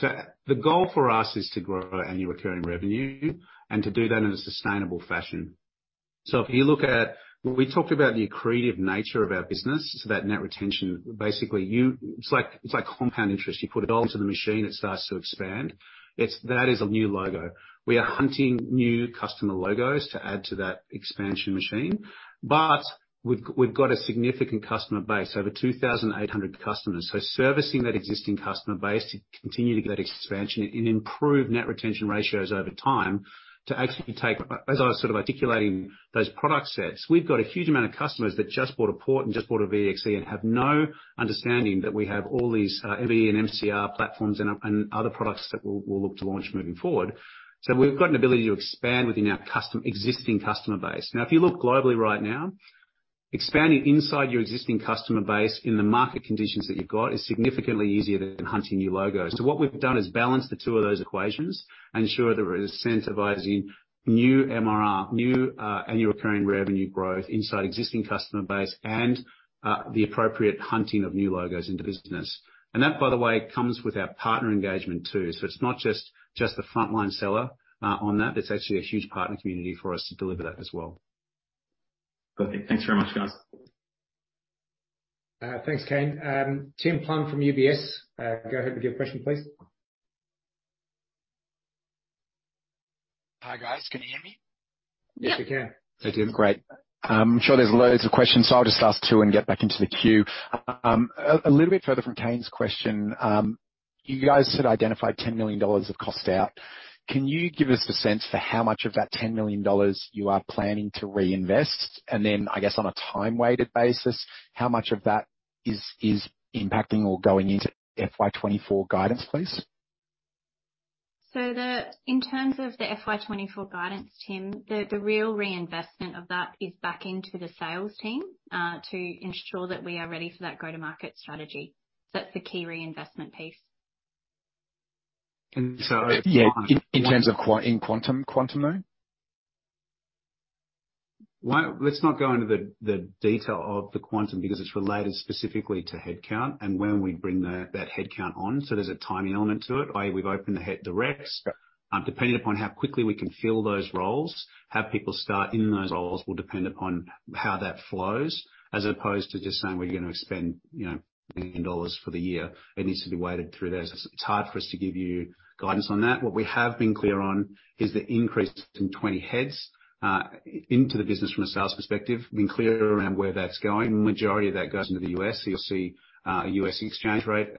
B: The goal for us is to grow annual recurring revenue and to do that in a sustainable fashion. If you look at when we talked about the accretive nature of our business, so that net retention, basically, it's like, it's like compound interest. You put it all into the machine, it starts to expand. It's. That is a new logo. We are hunting new customer logos to add to that expansion machine, but we've got a significant customer base, over 2,800 customers. Servicing that existing customer base to continue to get expansion and improve net retention ratios over time, to actually take... As I was sort of articulating those product sets, we've got a huge amount of customers that just bought a Port and just bought a VXC, and have no understanding that we have all these, MVE and MCR platforms and, and other products that we'll, we'll look to launch moving forward. We've got an ability to expand within our existing customer base. Now, if you look globally right now, expanding inside your existing customer base in the market conditions that you've got, is significantly easier than hunting new logos. What we've done is balance the two of those equations, ensure that we're incentivizing new MRR, new, annual recurring revenue growth inside existing customer base and, the appropriate hunting of new logos into business. That, by the way, comes with our partner engagement, too. It's not just, just the frontline seller, on that. It's actually a huge partner community for us to deliver that as well.
E: Perfect. Thanks very much, guys.
A: Thanks, Kane. Tim Plumbe from UBS, go ahead with your question, please.
F: Hi, guys. Can you hear me?
A: Yes, we can.
B: Hey, Tim.
F: Great. I'm sure there's loads of questions, so I'll just ask two and get back into the queue. A little bit further from Kane's question. You guys had identified $10 million of cost out. Can you give us a sense for how much of that $10 million you are planning to reinvest? Then, I guess, on a time-weighted basis, how much of that is impacting or going into FY24 guidance, please?
C: In terms of the FY24 guidance, Tim, the, the real reinvestment of that is back into the sales team to ensure that we are ready for that go-to-market strategy. That's the key reinvestment piece.
B: And so-
F: Yeah, in terms of quantum, though?
B: Let's not go into the, the detail of the quantum, because it's related specifically to headcount and when we bring the, that headcount on, so there's a timing element to it. I.e., we've opened the head directs. Depending upon how quickly we can fill those roles, have people start in those roles, will depend upon how that flows, as opposed to just saying we're going to spend, you know, $1 million for the year. It needs to be weighted through there. It's hard for us to give you guidance on that. What we have been clear on is the increase in 20 heads into the business from a sales perspective. We've been clear around where that's going. Majority of that goes into the US, so you'll see a US exchange rate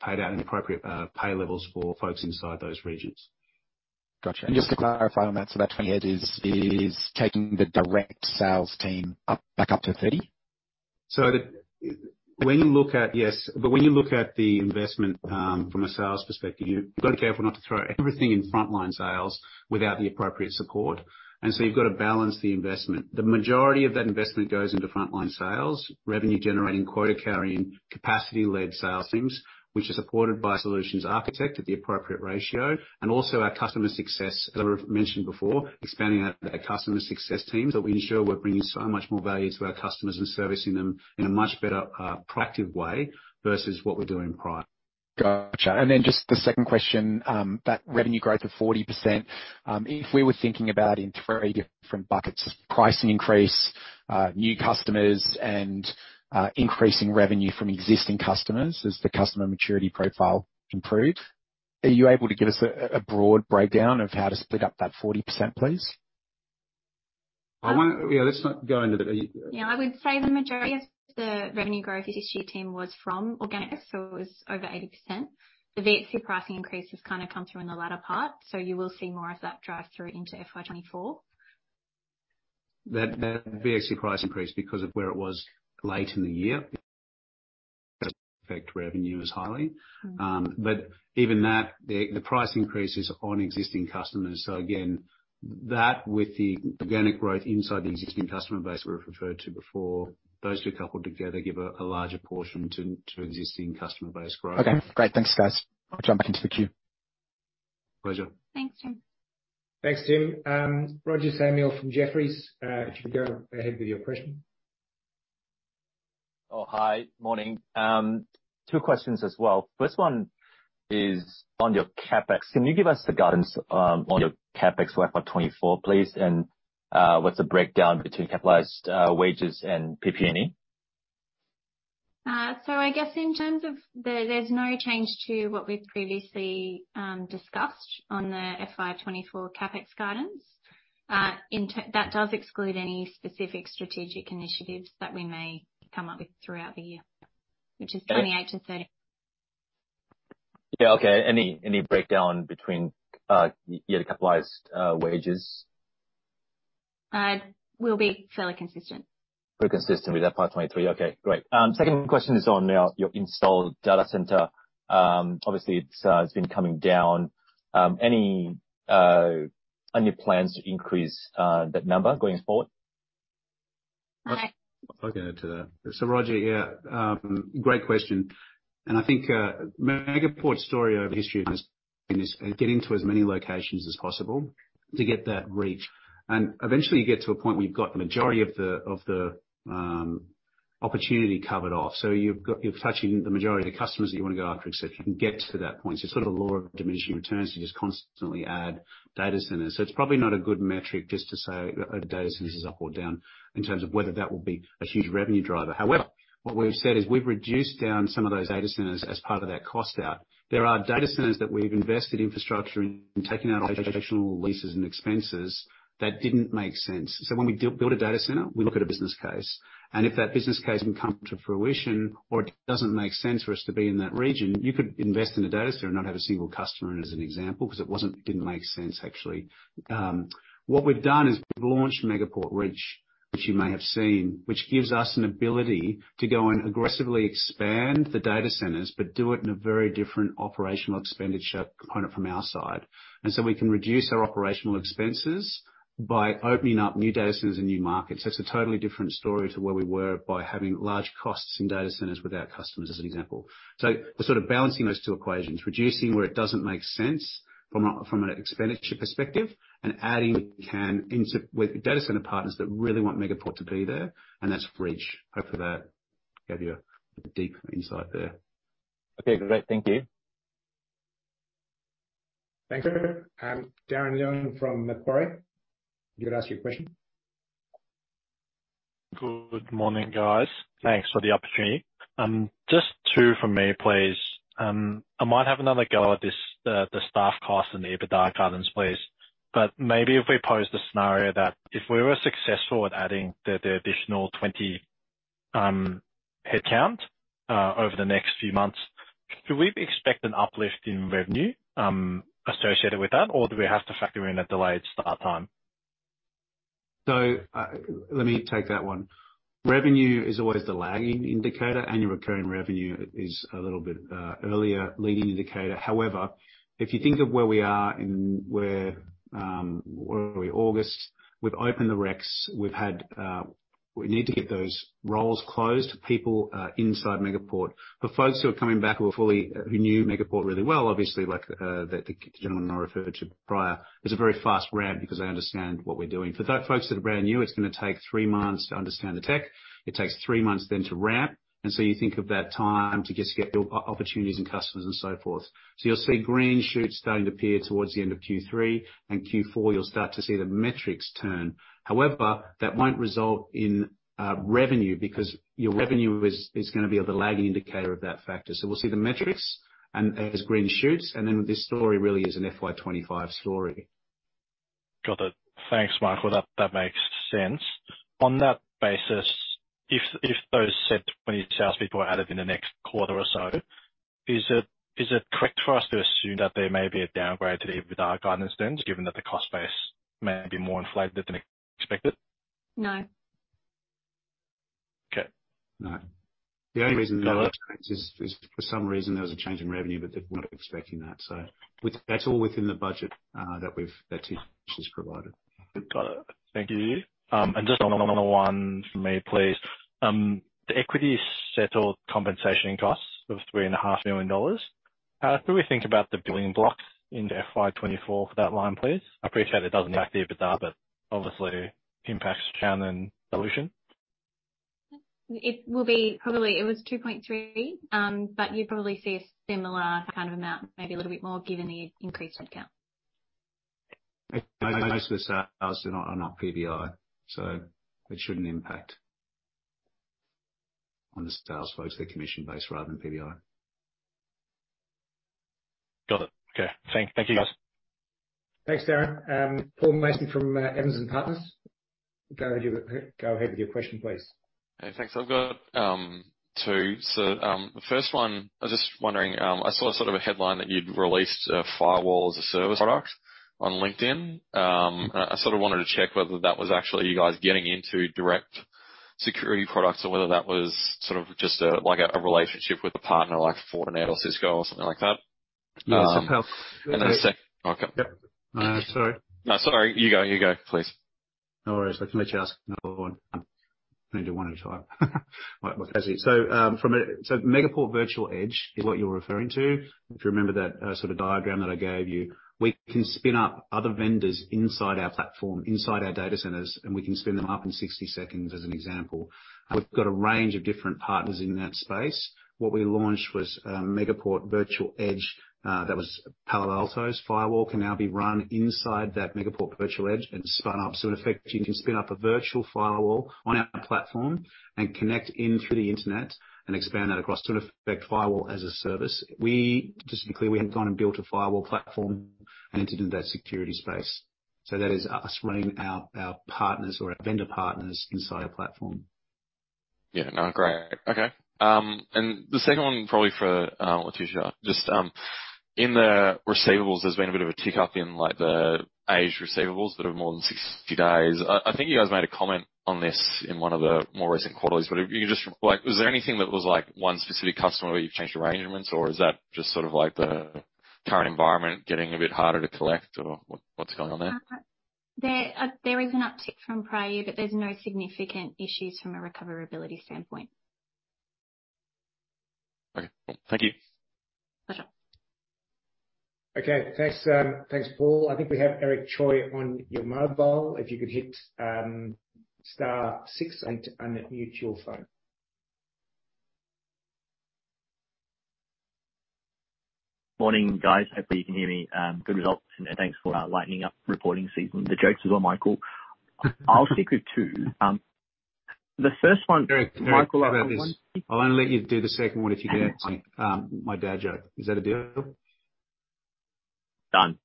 B: paid out in appropriate pay levels for folks inside those regions.
F: Gotcha. Just to clarify on that, so that 20 heads is taking the direct sales team up, back up to 30?
B: The, when you look at... Yes, but when you look at the investment, from a sales perspective, you've got to be careful not to throw everything in frontline sales without the appropriate support. So you've got to balance the investment. The majority of that investment goes into frontline sales, revenue generating, quota carrying, capacity-led sales teams, which are supported by solutions architect at the appropriate ratio, and also our customer success, as I've mentioned before, expanding out our customer success teams, that we ensure we're bringing so much more value to our customers and servicing them in a much better, proactive way versus what we're doing prior.
F: Gotcha. Then just the second question, that revenue growth of 40%, if we were thinking about in three different buckets of pricing increase, new customers, and increasing revenue from existing customers, as the customer maturity profile improved, are you able to give us a, a broad breakdown of how to split up that 40%, please?
B: I want. Yeah, let's not go into.
C: Yeah, I would say the majority of the revenue growth this year, Tim, was from organic, so it was over 80%. The VXC pricing increase has kind of come through in the latter part, so you will see more of that drive through into FY24.
B: That, that VXC price increase because of where it was late in the year. affect revenue as highly. Even that, the, the price increases on existing customers. Again, that with the organic growth inside the existing customer base we've referred to before, those two coupled together give a, a larger portion to, to existing customer base growth.
G: Okay, great. Thanks, guys. I'll jump back into the queue.
B: Pleasure.
C: Thanks, Tim.
A: Thanks, Tim. Roger Samuel from Jefferies, you can go ahead with your question.
H: Oh, hi. Morning. two questions as well. First one is on your CapEx. Can you give us the guidance on your CapEx for FY24, please? What's the breakdown between capitalized wages and PP&E?
C: I guess in terms of there's no change to what we've previously discussed on the FY24 CapEx guidance. That does exclude any specific strategic initiatives that we may come up with throughout the year, which is 28 million-30 million.
H: Yeah, okay. Any, any breakdown between the capitalized wages?
C: Will be fairly consistent.
H: Pretty consistent with that part 23. Okay, great. Second question is on your installed data center. Obviously, it's it's been coming down. Any plans to increase that number going forward?
C: I-
B: I'll get into that. Roger, yeah, great question. I think Megaport's story over history has been, is getting to as many locations as possible to get that reach. Eventually you get to a point where you've got the majority of the, of the opportunity covered off. You're touching the majority of the customers that you want to go after, except you can get to that point. Sort of the law of diminishing returns, you just constantly add data centers. It's probably not a good metric just to say data centers is up or down in terms of whether that will be a huge revenue driver. What we've said is we've reduced down some of those data centers as part of that cost out. There are data centers that we've invested infrastructure in, taking out operational leases and expenses that didn't make sense. When we build a data center, we look at a business case, and if that business case wouldn't come to fruition or it doesn't make sense for us to be in that region, you could invest in a data center and not have a single customer in, as an example, because it didn't make sense actually. What we've done is we've launched Megaport Reach, which you may have seen, which gives us an ability to go and aggressively expand the data centers, but do it in a very different operational expenditure component from our side. We can reduce our operational expenses by opening up new data centers and new markets. That's a totally different story to where we were by having large costs in data centers without customers, as an example. We're sort of balancing those two equations, reducing where it doesn't make sense from a, from an expenditure perspective, and adding we can into with data center partners that really want Megaport to be there, and that's Reach. Hope that gave you a deeper insight there.
H: Okay, great. Thank you.
A: Thank you. Darren Leung from Macquarie, you can ask your question.
I: Good morning, guys. Thanks for the opportunity. Just two from me, please. I might have another go at this, the staff cost and the EBITDA guidance, please. Maybe if we pose the scenario that if we were successful at adding the additional 20 headcount over the next few months, could we expect an uplift in revenue associated with that? Or do we have to factor in a delayed start time?
B: Let me take that one. Revenue is always the lagging indicator, and your recurring revenue is a little bit earlier leading indicator. However, if you think of where we are and where are we? August, we've opened the recs. We've had... We need to get those roles closed to people inside Megaport. For folks who are coming back who are fully, who knew Megaport really well, obviously, like, the gentleman I referred to prior, it's a very fast ramp because they understand what we're doing. For the folks that are brand new, it's going to take three months to understand the tech. It takes three months then to ramp. You think of that time to just get your o-opportunities and customers and so forth. You'll see green shoots starting to appear towards the end of Q3, and Q4, you'll start to see the metrics turn. However, that won't result in revenue, because your revenue is, is going to be the lagging indicator of that factor. We'll see the metrics and as green shoots, and then this story really is an FY25 story.
I: Got it. Thanks, Michael. That, that makes sense. On that basis, if, if those said 20 salespeople are added in the next quarter or so, is it, is it correct for us to assume that there may be a downgrade to the EBITDA guidance then, given that the cost base may be more inflated than expected?
C: No.
I: Okay.
B: No.
I: Got it.
B: The only reason that would change is, is for some reason there was a change in revenue, but they're not expecting that. That's all within the budget that we've that's just provided.
I: Got it. Thank you. Just another one from me, please. The equity settled compensation costs of $3.5 million, so we think about the building blocks into FY24 for that line, please. I appreciate it doesn't affect the EBITDA, but obviously impacts channel and solution.
C: It will be probably... It was 2.3, but you'd probably see a similar kind of amount, maybe a little bit more, given the increased headcount.
B: Most of the sales are not, are not PBI, so it shouldn't impact on the sales folks. They're commission-based rather than PBI.
I: Got it. Okay. Thank, thank you, guys.
A: Thanks, Darren. Paul Mason from Evans and Partners, go ahead with your question, please.
D: Hey, thanks. I've got two. The first one, I was just wondering, I saw sort of a headline that you'd released a Firewall as a Service product on LinkedIn. I sort of wanted to check whether that was actually you guys getting into direct-... security products, or whether that was sort of just a, like, a, a relationship with a partner like Fortinet or Cisco or something like that?
B: Yeah.
D: Okay.
B: Yep. Sorry.
D: No, sorry. You go, you go, please.
B: No worries. I can let you ask another one. Only do one at a time. Megaport Virtual Edge is what you're referring to. If you remember that sort of diagram that I gave you. We can spin up other vendors inside our platform, inside our data centers, and we can spin them up in 60 seconds, as an example. We've got a range of different partners in that space. What we launched was Megaport Virtual Edge. That was Palo Alto's firewall, can now be run inside that Megaport Virtual Edge and spun up. In effect, you can spin up a virtual firewall on our platform and connect in through the internet and expand that across. In effect, Firewall as a Service. Just to be clear, we haven't gone and built a firewall platform and entered in that security space. That is us running our, our partners or our vendor partners inside our platform.
D: Yeah. No, great. Okay. The second one, probably for Letitia. Just, in the receivables, there's been a bit of a tick up in, like, the age receivables that are more than 60 days. I think you guys made a comment on this in one of the more recent quarterlies, but if you can just, like... Was there anything that was, like, one specific customer where you've changed arrangements? Or is that just sort of, like, the current environment getting a bit harder to collect? Or what, what's going on there?
C: There, there is an uptick from prior year. There's no significant issues from a recoverability standpoint.
D: Okay. Thank you.
C: Sure.
A: Okay. Thanks, thanks, Paul. I think we have Eric Choi on your mobile. If you could hit, star six and unmute your phone.
J: Morning, guys. Hopefully you can hear me. Good results, and thanks for lightening up reporting season. The jokes as well, Michael. I'll stick with 2. The first one.
B: Eric, Eric, how about this? I'll only let you do the second one if you get my, my dad joke. Is that a deal?
J: Done.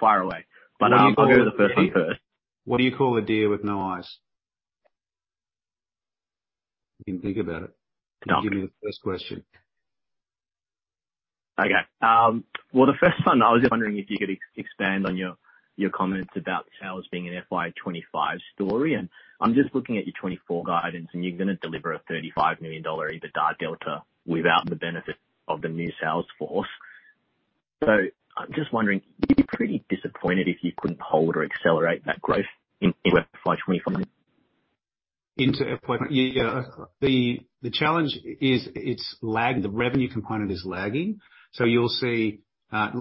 J: Fire away. I'll go with the first one first.
B: What do you call a deer with no eyes? You can think about it.
J: Done.
B: Give me the first question.
J: Okay, well, the first one, I was just wondering if you could expand on your, your comments about sales being an FY25 story. I'm just looking at your 24 guidance, and you're going to deliver a $35 million EBITDA delta without the benefit of the new sales force. I'm just wondering, you'd be pretty disappointed if you couldn't hold or accelerate that growth into FY25?
B: Into... Yeah. The, the challenge is it's lagging. The revenue component is lagging. You'll see,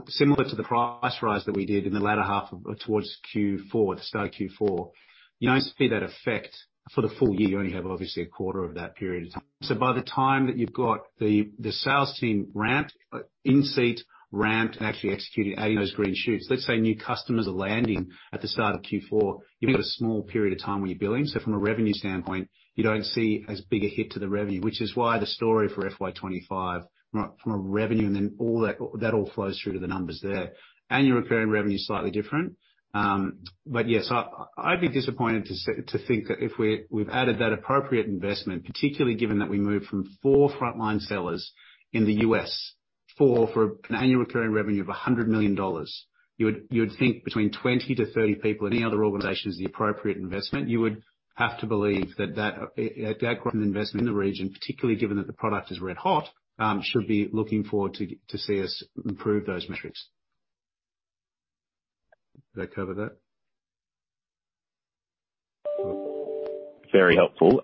B: similar to the price rise that we did in the latter half of, towards Q4, the start of Q4. You don't see that effect for the full year. You only have, obviously, a quarter of that period of time. By the time that you've got the, the sales team ramped, in seat ramped, and actually executing those green shoots, let's say new customers are landing at the start of Q4, you've got a small period of time where you're billing. From a revenue standpoint, you don't see as big a hit to the revenue, which is why the story for FY25, from a, from a revenue, and then all that, that all flows through to the numbers there. Annual recurring revenue is slightly different. Yes, I, I'd be disappointed to say, to think that if we've added that appropriate investment, particularly given that we moved from four frontline sellers in the US for an annual recurring revenue of $100 million. You would, you would think between 20 people-30 people in any other organization is the appropriate investment. You would have to believe that that growth investment in the region, particularly given that the product is red-hot, should be looking forward to, to see us improve those metrics. Did I cover that?
J: Very helpful.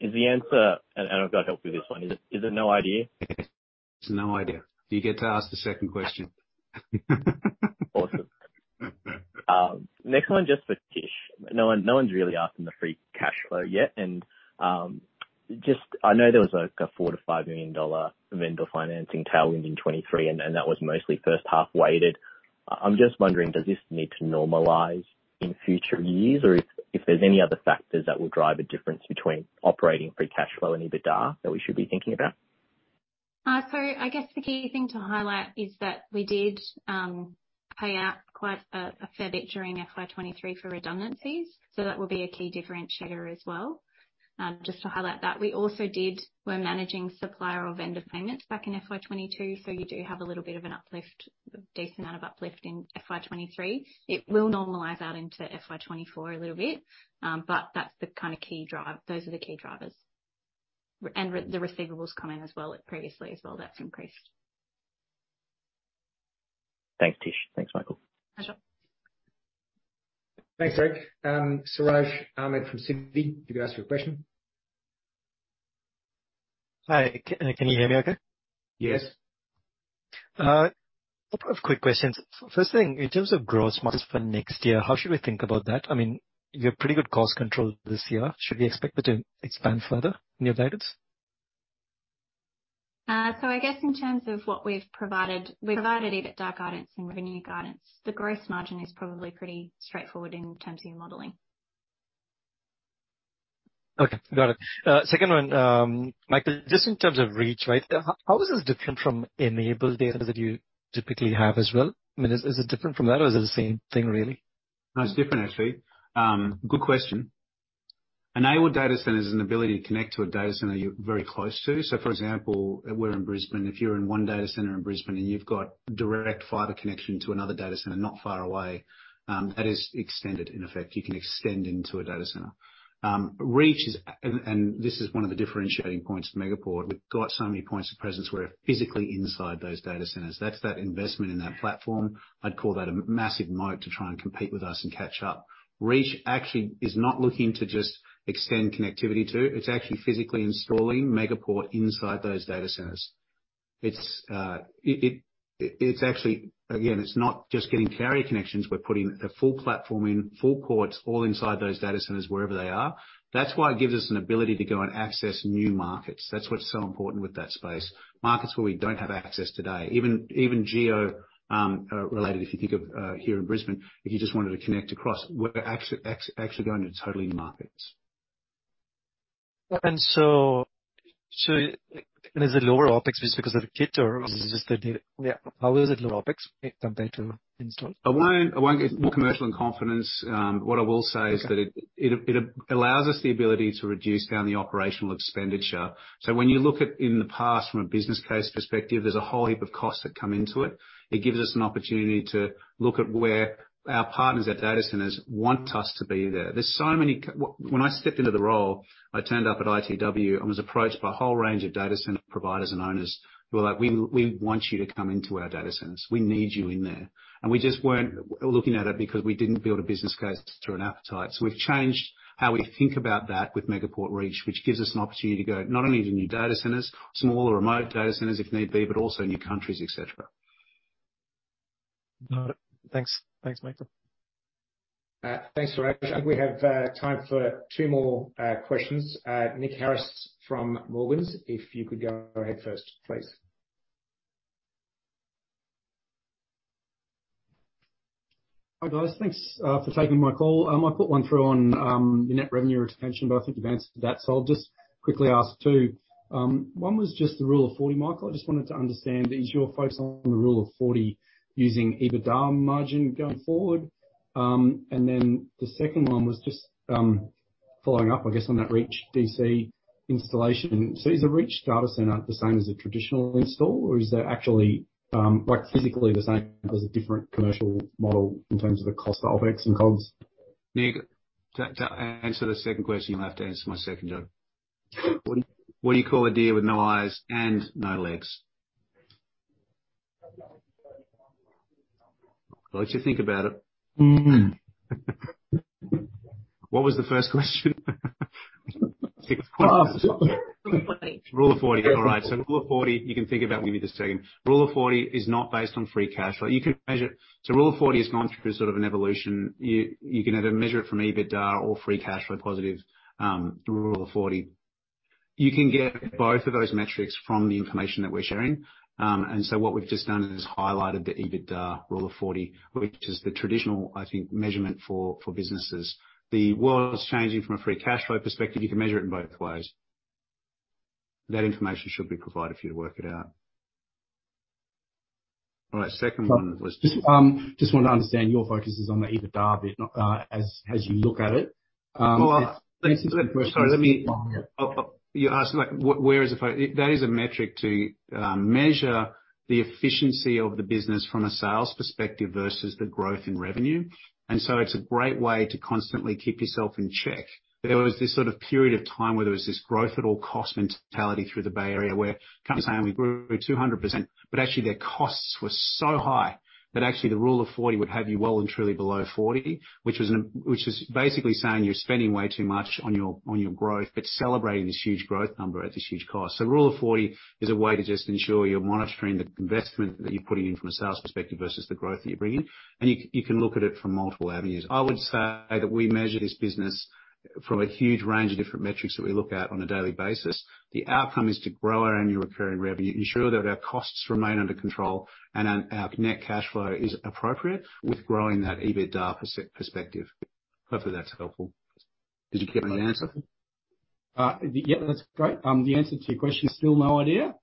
J: Is the answer... I've got help with this one. Is it, is it no idea?
B: It's no idea. You get to ask the second question.
J: Awesome. Next one, just for Tish. No one, no one's really asking the free cash flow yet, and I know there was, like, a $4 million-$5 million vendor financing tailwind in FY23, and that was mostly first half weighted. I'm just wondering, does this need to normalize in future years? If there's any other factors that will drive a difference between operating free cash flow and EBITDA, that we should be thinking about?
C: I guess the key thing to highlight is that we did pay out quite a fair bit during FY23 for redundancies. That will be a key differentiator as well. Just to highlight that. We also We're managing supplier or vendor payments back in FY22, so you do have a little bit of an uplift, a decent amount of uplift in FY23. It will normalize out into FY24 a little bit. That's the kind of key drive. Those are the key drivers. The receivables coming as well, previously as well, that's increased.
J: Thanks, Tish. Thanks, Michael.
C: Sure.
A: Thanks, Eric. Siraj Ahmed from Citi, you could ask your question.
K: Hi, can you hear me okay?
A: Yes.
K: First thing, in terms of gross margin for next year, how should we think about that? I mean, you have pretty good cost control this year. Should we expect it to expand further in your guidance?
C: I guess in terms of what we've provided, we've provided EBITDA guidance and revenue guidance. The gross margin is probably pretty straightforward in terms of your modeling.
K: Okay, got it. Second one, Michael, just in terms of reach, right? How is this different from enable data that you typically have as well? I mean, is it different from that, or is it the same thing, really?
B: No, it's different actually. Good question. enabled data center is an ability to connect to a data center you're very close to. So, for example, we're in Brisbane. If you're in one data center in Brisbane, and you've got direct fiber connection to another data center, not far away, that is extended in effect, you can extend into a data center. Reach is and this is one of the differentiating points of Megaport. We've got so many points of presence. We're physically inside those data centers. That's that investment in that platform. I'd call that a massive moat to try and compete with us and catch up. Reach actually is not looking to just extend connectivity to, it's actually physically installing Megaport inside those data centers. It's actually. Again, it's not just getting carrier connections. We're putting a full platform in, full courts, all inside those data centers, wherever they are. That's why it gives us an ability to go and access new markets. That's what's so important with that space. Markets where we don't have access today, even, even geo related, if you think of here in Brisbane, if you just wanted to connect across, we're actually going to totally new markets.
K: Is it lower OpEx just because of the kit, or is it just the data? Yeah. How is it lower OpEx compared to install?
B: I won't, I won't get more commercial in confidence. What I will say.
K: Okay.
B: is that it allows us the ability to reduce down the operational expenditure. When you look at in the past, from a business case perspective, there's a whole heap of costs that come into it. It gives us an opportunity to look at where our partners at data centers want us to be there. When I stepped into the role, I turned up at ITW and was approached by a whole range of data center providers and owners who were like, "We want you to come into our data centers. We need you in there." We just weren't looking at it because we didn't build a business case through an appetite. We've changed how we think about that with Megaport Reach, which gives us an opportunity to go not only to new data centers, smaller, remote data centers, if need be, but also new countries, et cetera.
A: Got it. Thanks. Thanks, Michael. Thanks, Siraj. I think we have time for two more questions. Nick Harris from Morgans, if you could go ahead first, please.
L: Hi, guys. Thanks for taking my call. I put one through on your net revenue expansion, but I think you've answered that, so I'll just quickly ask two. One was just the Rule of 40, Michael. I just wanted to understand, is your focus on the Rule of 40 using EBITDA margin going forward? The second one was just following up, I guess, on that Reach DC installation. Is a Reach data center the same as a traditional install, or is there actually, like, physically the same as a different commercial model in terms of the cost of OpEx and CapEx?
B: Nick, to, to answer the second question, you're going to have to answer my second joke. What, what do you call a deer with no eyes and no legs? I'll let you think about it.
L: Mm-hmm.
B: What was the first question?
M: Rule of 40.
B: Rule of 40. All right, Rule of 40, you can think about, give me just a second. Rule of 40 is not based on free cash flow. You can measure... Rule of 40 has gone through sort of an evolution. You can either measure it from EBITDA or free cash flow positive through Rule of 40. You can get both of those metrics from the information that we're sharing. What we've just done is highlighted the EBITDA Rule of 40, which is the traditional, I think, measurement for businesses. The world is changing from a free cash flow perspective. You can measure it in both ways. That information should be provided for you to work it out. All right, second one was-
L: Just, just wanted to understand, your focus is on the EBITDA bit, not, as, as you look at it.
B: Well, sorry, let me... You asked, like, where is the That is a metric to measure the efficiency of the business from a sales perspective versus the growth in revenue. It's a great way to constantly keep yourself in check. There was this sort of period of time where there was this growth at all cost mentality through the Bay Area, where companies saying we grew 200%, but actually their costs were so high that actually the Rule of 40 would have you well and truly below 40, which is basically saying you're spending way too much on your, on your growth, but celebrating this huge growth number at this huge cost. Rule of 40 is a way to just ensure you're monitoring the investment that you're putting in from a sales perspective versus the growth that you're bringing. You, you can look at it from multiple avenues. I would say that we measure this business from a huge range of different metrics that we look at on a daily basis. The outcome is to grow our annual recurring revenue, ensure that our costs remain under control, and then our net cash flow is appropriate with growing that EBITDA perspective. Hopefully, that's helpful. Did you get my answer?
L: Yep, that's great. The answer to your question, still no idea.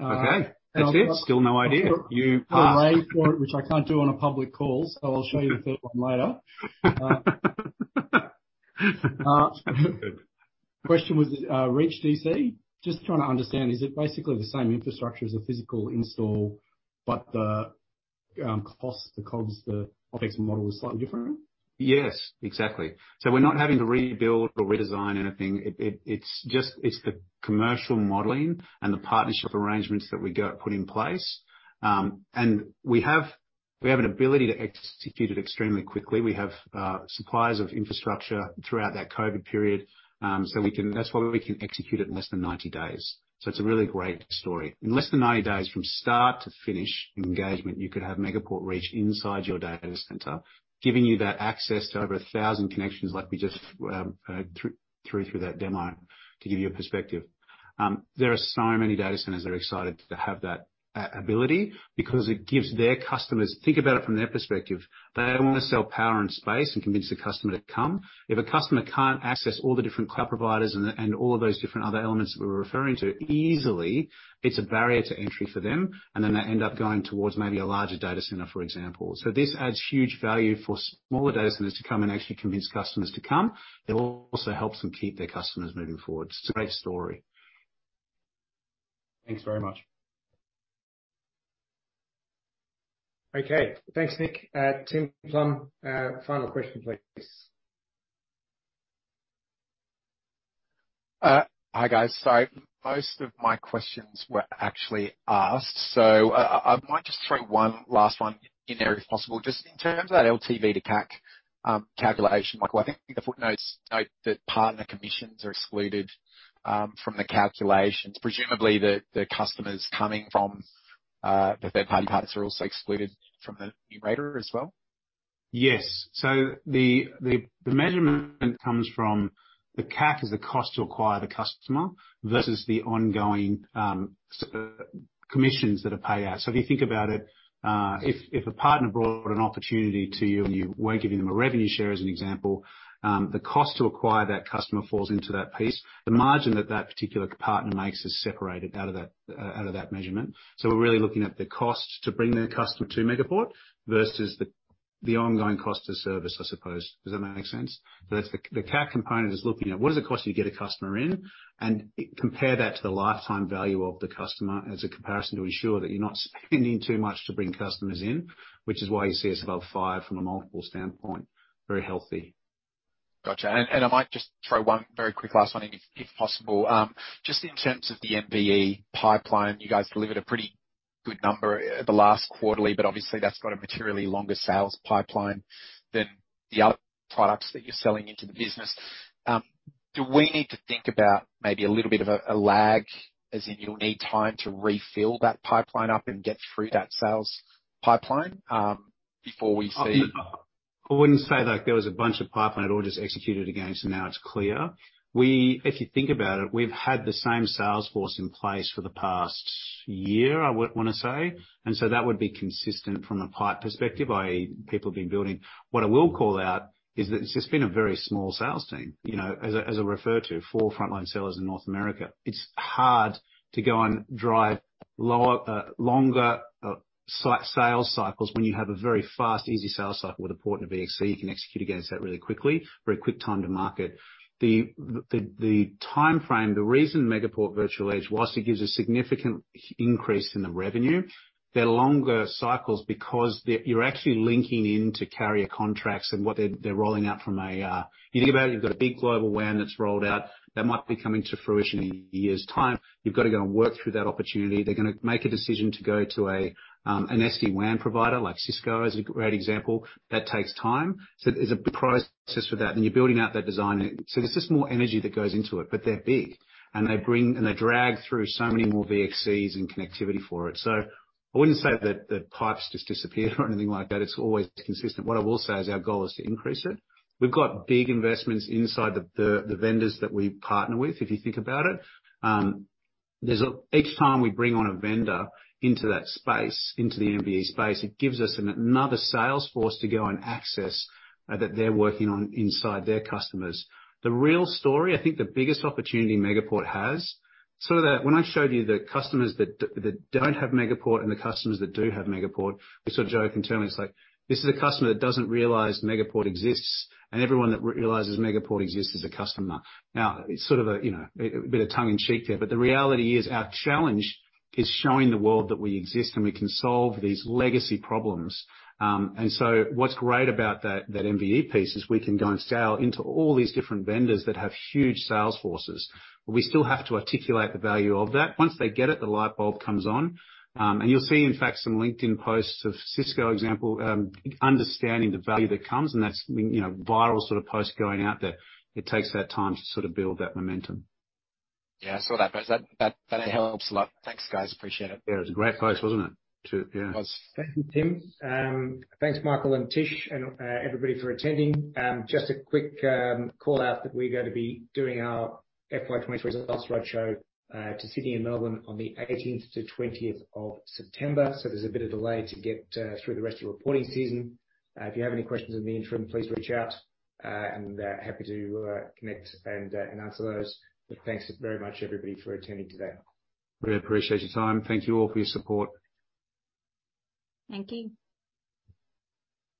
B: Okay. That's it. Still no idea. You asked.
L: I've got a way for it, which I can't do on a public call, so I'll show you the third one later. Question was, Reach DC. Just trying to understand, is it basically the same infrastructure as a physical install, but the, cost, the COGS, the OpEx model is slightly different?
B: Yes, exactly. We're not having to rebuild or redesign anything. It's just, it's the commercial modeling and the partnership arrangements that we go put in place. We have, we have an ability to execute it extremely quickly. We have suppliers of infrastructure throughout that COVID period, so we can. That's why we can execute it in less than 90 days. It's a really great story. In less than 90 days, from start to finish engagement, you could have Megaport Reach inside your data center, giving you that access to over 1,000 connections like we just through, through, through that demo, to give you a perspective. There are so many data centers that are excited to have that ability because it gives their customers. Think about it from their perspective. They only sell power and space and convince the customer to come. If a customer can't access all the different cloud providers and all of those different other elements that we're referring to easily, it's a barrier to entry for them, and then they end up going towards maybe a larger data center, for example. This adds huge value for smaller data centers to come and actually convince customers to come. It also helps them keep their customers moving forward. It's a great story. Thanks very much.
A: Okay. Thanks, Nick. Tim Plumbe, final question, please.
F: Hi, guys. Most of my questions were actually asked, so I, I, I might just throw one last one in there, if possible. Just in terms of that LTV to CAC calculation, Michael, I think the footnotes note that partner commissions are excluded from the calculations. Presumably, the, the customers coming from the third-party partners are also excluded from the numerator as well?
B: Yes. The, the, the measurement comes from the CAC as a cost to acquire the customer versus the ongoing commissions that are paid out. If you think about it, if, if a partner brought an opportunity to you and you weren't giving them a revenue share, as an example, the cost to acquire that customer falls into that piece. The margin that that particular partner makes is separated out of that, out of that measurement. We're really looking at the cost to bring the customer to Megaport versus the, the ongoing cost to service, I suppose. Does that make sense? That's the. The CAC component is looking at what does it cost you to get a customer in, and compare that to the lifetime value of the customer as a comparison to ensure that you're not spending too much to bring customers in, which is why you see us above five from a multiple standpoint, very healthy.
F: Gotcha. I might just throw one very quick last one in, if, if possible. Just in terms of the MVE pipeline, you guys delivered a pretty good number at the last quarterly, but obviously, that's got a materially longer sales pipeline than the other products that you're selling into the business. Do we need to think about maybe a little bit of a, a lag, as in you'll need time to refill that pipeline up and get through that sales pipeline, before we see?
B: I wouldn't say that there was a bunch of pipeline, it all just executed again, so now it's clear. If you think about it, we've had the same sales force in place for the past year, I would want to say, and so that would be consistent from a pipe perspective, i.e., people have been building. What I will call out is that it's just been a very small sales team. You know, as I, as I referred to, four frontline sellers in North America. It's hard to go and drive lower, longer sales cycles when you have a very fast, easy sales cycle with a port and a VXC, you can execute against that really quickly, very quick time to market. The timeframe, the reason Megaport Virtual Edge, whilst it gives a significant increase in the revenue, they're longer cycles because you're actually linking into carrier contracts and what they're, they're rolling out from a. You think about it, you've got a big global WAN that's rolled out, that might be coming to fruition in a year's time. You've got to go and work through that opportunity. They're going to make a decision to go to an SD-WAN provider, like Cisco is a great example. That takes time. There's a big process for that, then you're building out that design. There's just more energy that goes into it, but they're big, and they drag through so many more VXCs and connectivity for it. I wouldn't say that the pipes just disappeared or anything like that. It's always consistent. What I will say is our goal is to increase it. We've got big investments inside the, the, the vendors that we partner with, if you think about it. Each time we bring on a vendor into that space, into the MVE space, it gives us another sales force to go and access that they're working on inside their customers. The real story, I think the biggest opportunity Megaport has, sort of that, when I showed you the customers that don't have Megaport and the customers that do have Megaport, we sort of joke internally, it's like, "This is a customer that doesn't realize Megaport exists, and everyone that realizes Megaport exists is a customer." Now, it's sort of a, you know, a bit of tongue in cheek there, but the reality is our challenge is showing the world that we exist, and we can solve these legacy problems. What's great about that, that MVE piece is we can go and sell into all these different vendors that have huge sales forces. We still have to articulate the value of that. Once they get it, the light bulb comes on. You'll see, in fact, some LinkedIn posts of Cisco example, understanding the value that comes, and that's, you know, viral sort of posts going out there. It takes that time to sort of build that momentum.
F: Yeah, I saw that, but that, that, that helps a lot. Thanks, guys, appreciate it.
B: Yeah, it was a great post, wasn't it? Yeah.
A: Thank you, Tim. Thanks, Michael and Tish, and everybody for attending. Just a quick call out that we're going to be doing our FY23 results roadshow to Sydney and Melbourne on the 18th to 20th of September. There's a bit of delay to get through the rest of the reporting season. If you have any questions in the interim, please reach out, and happy to connect and answer those. Thanks very much, everybody, for attending today.
B: Really appreciate your time. Thank you all for your support.
D: Thank you.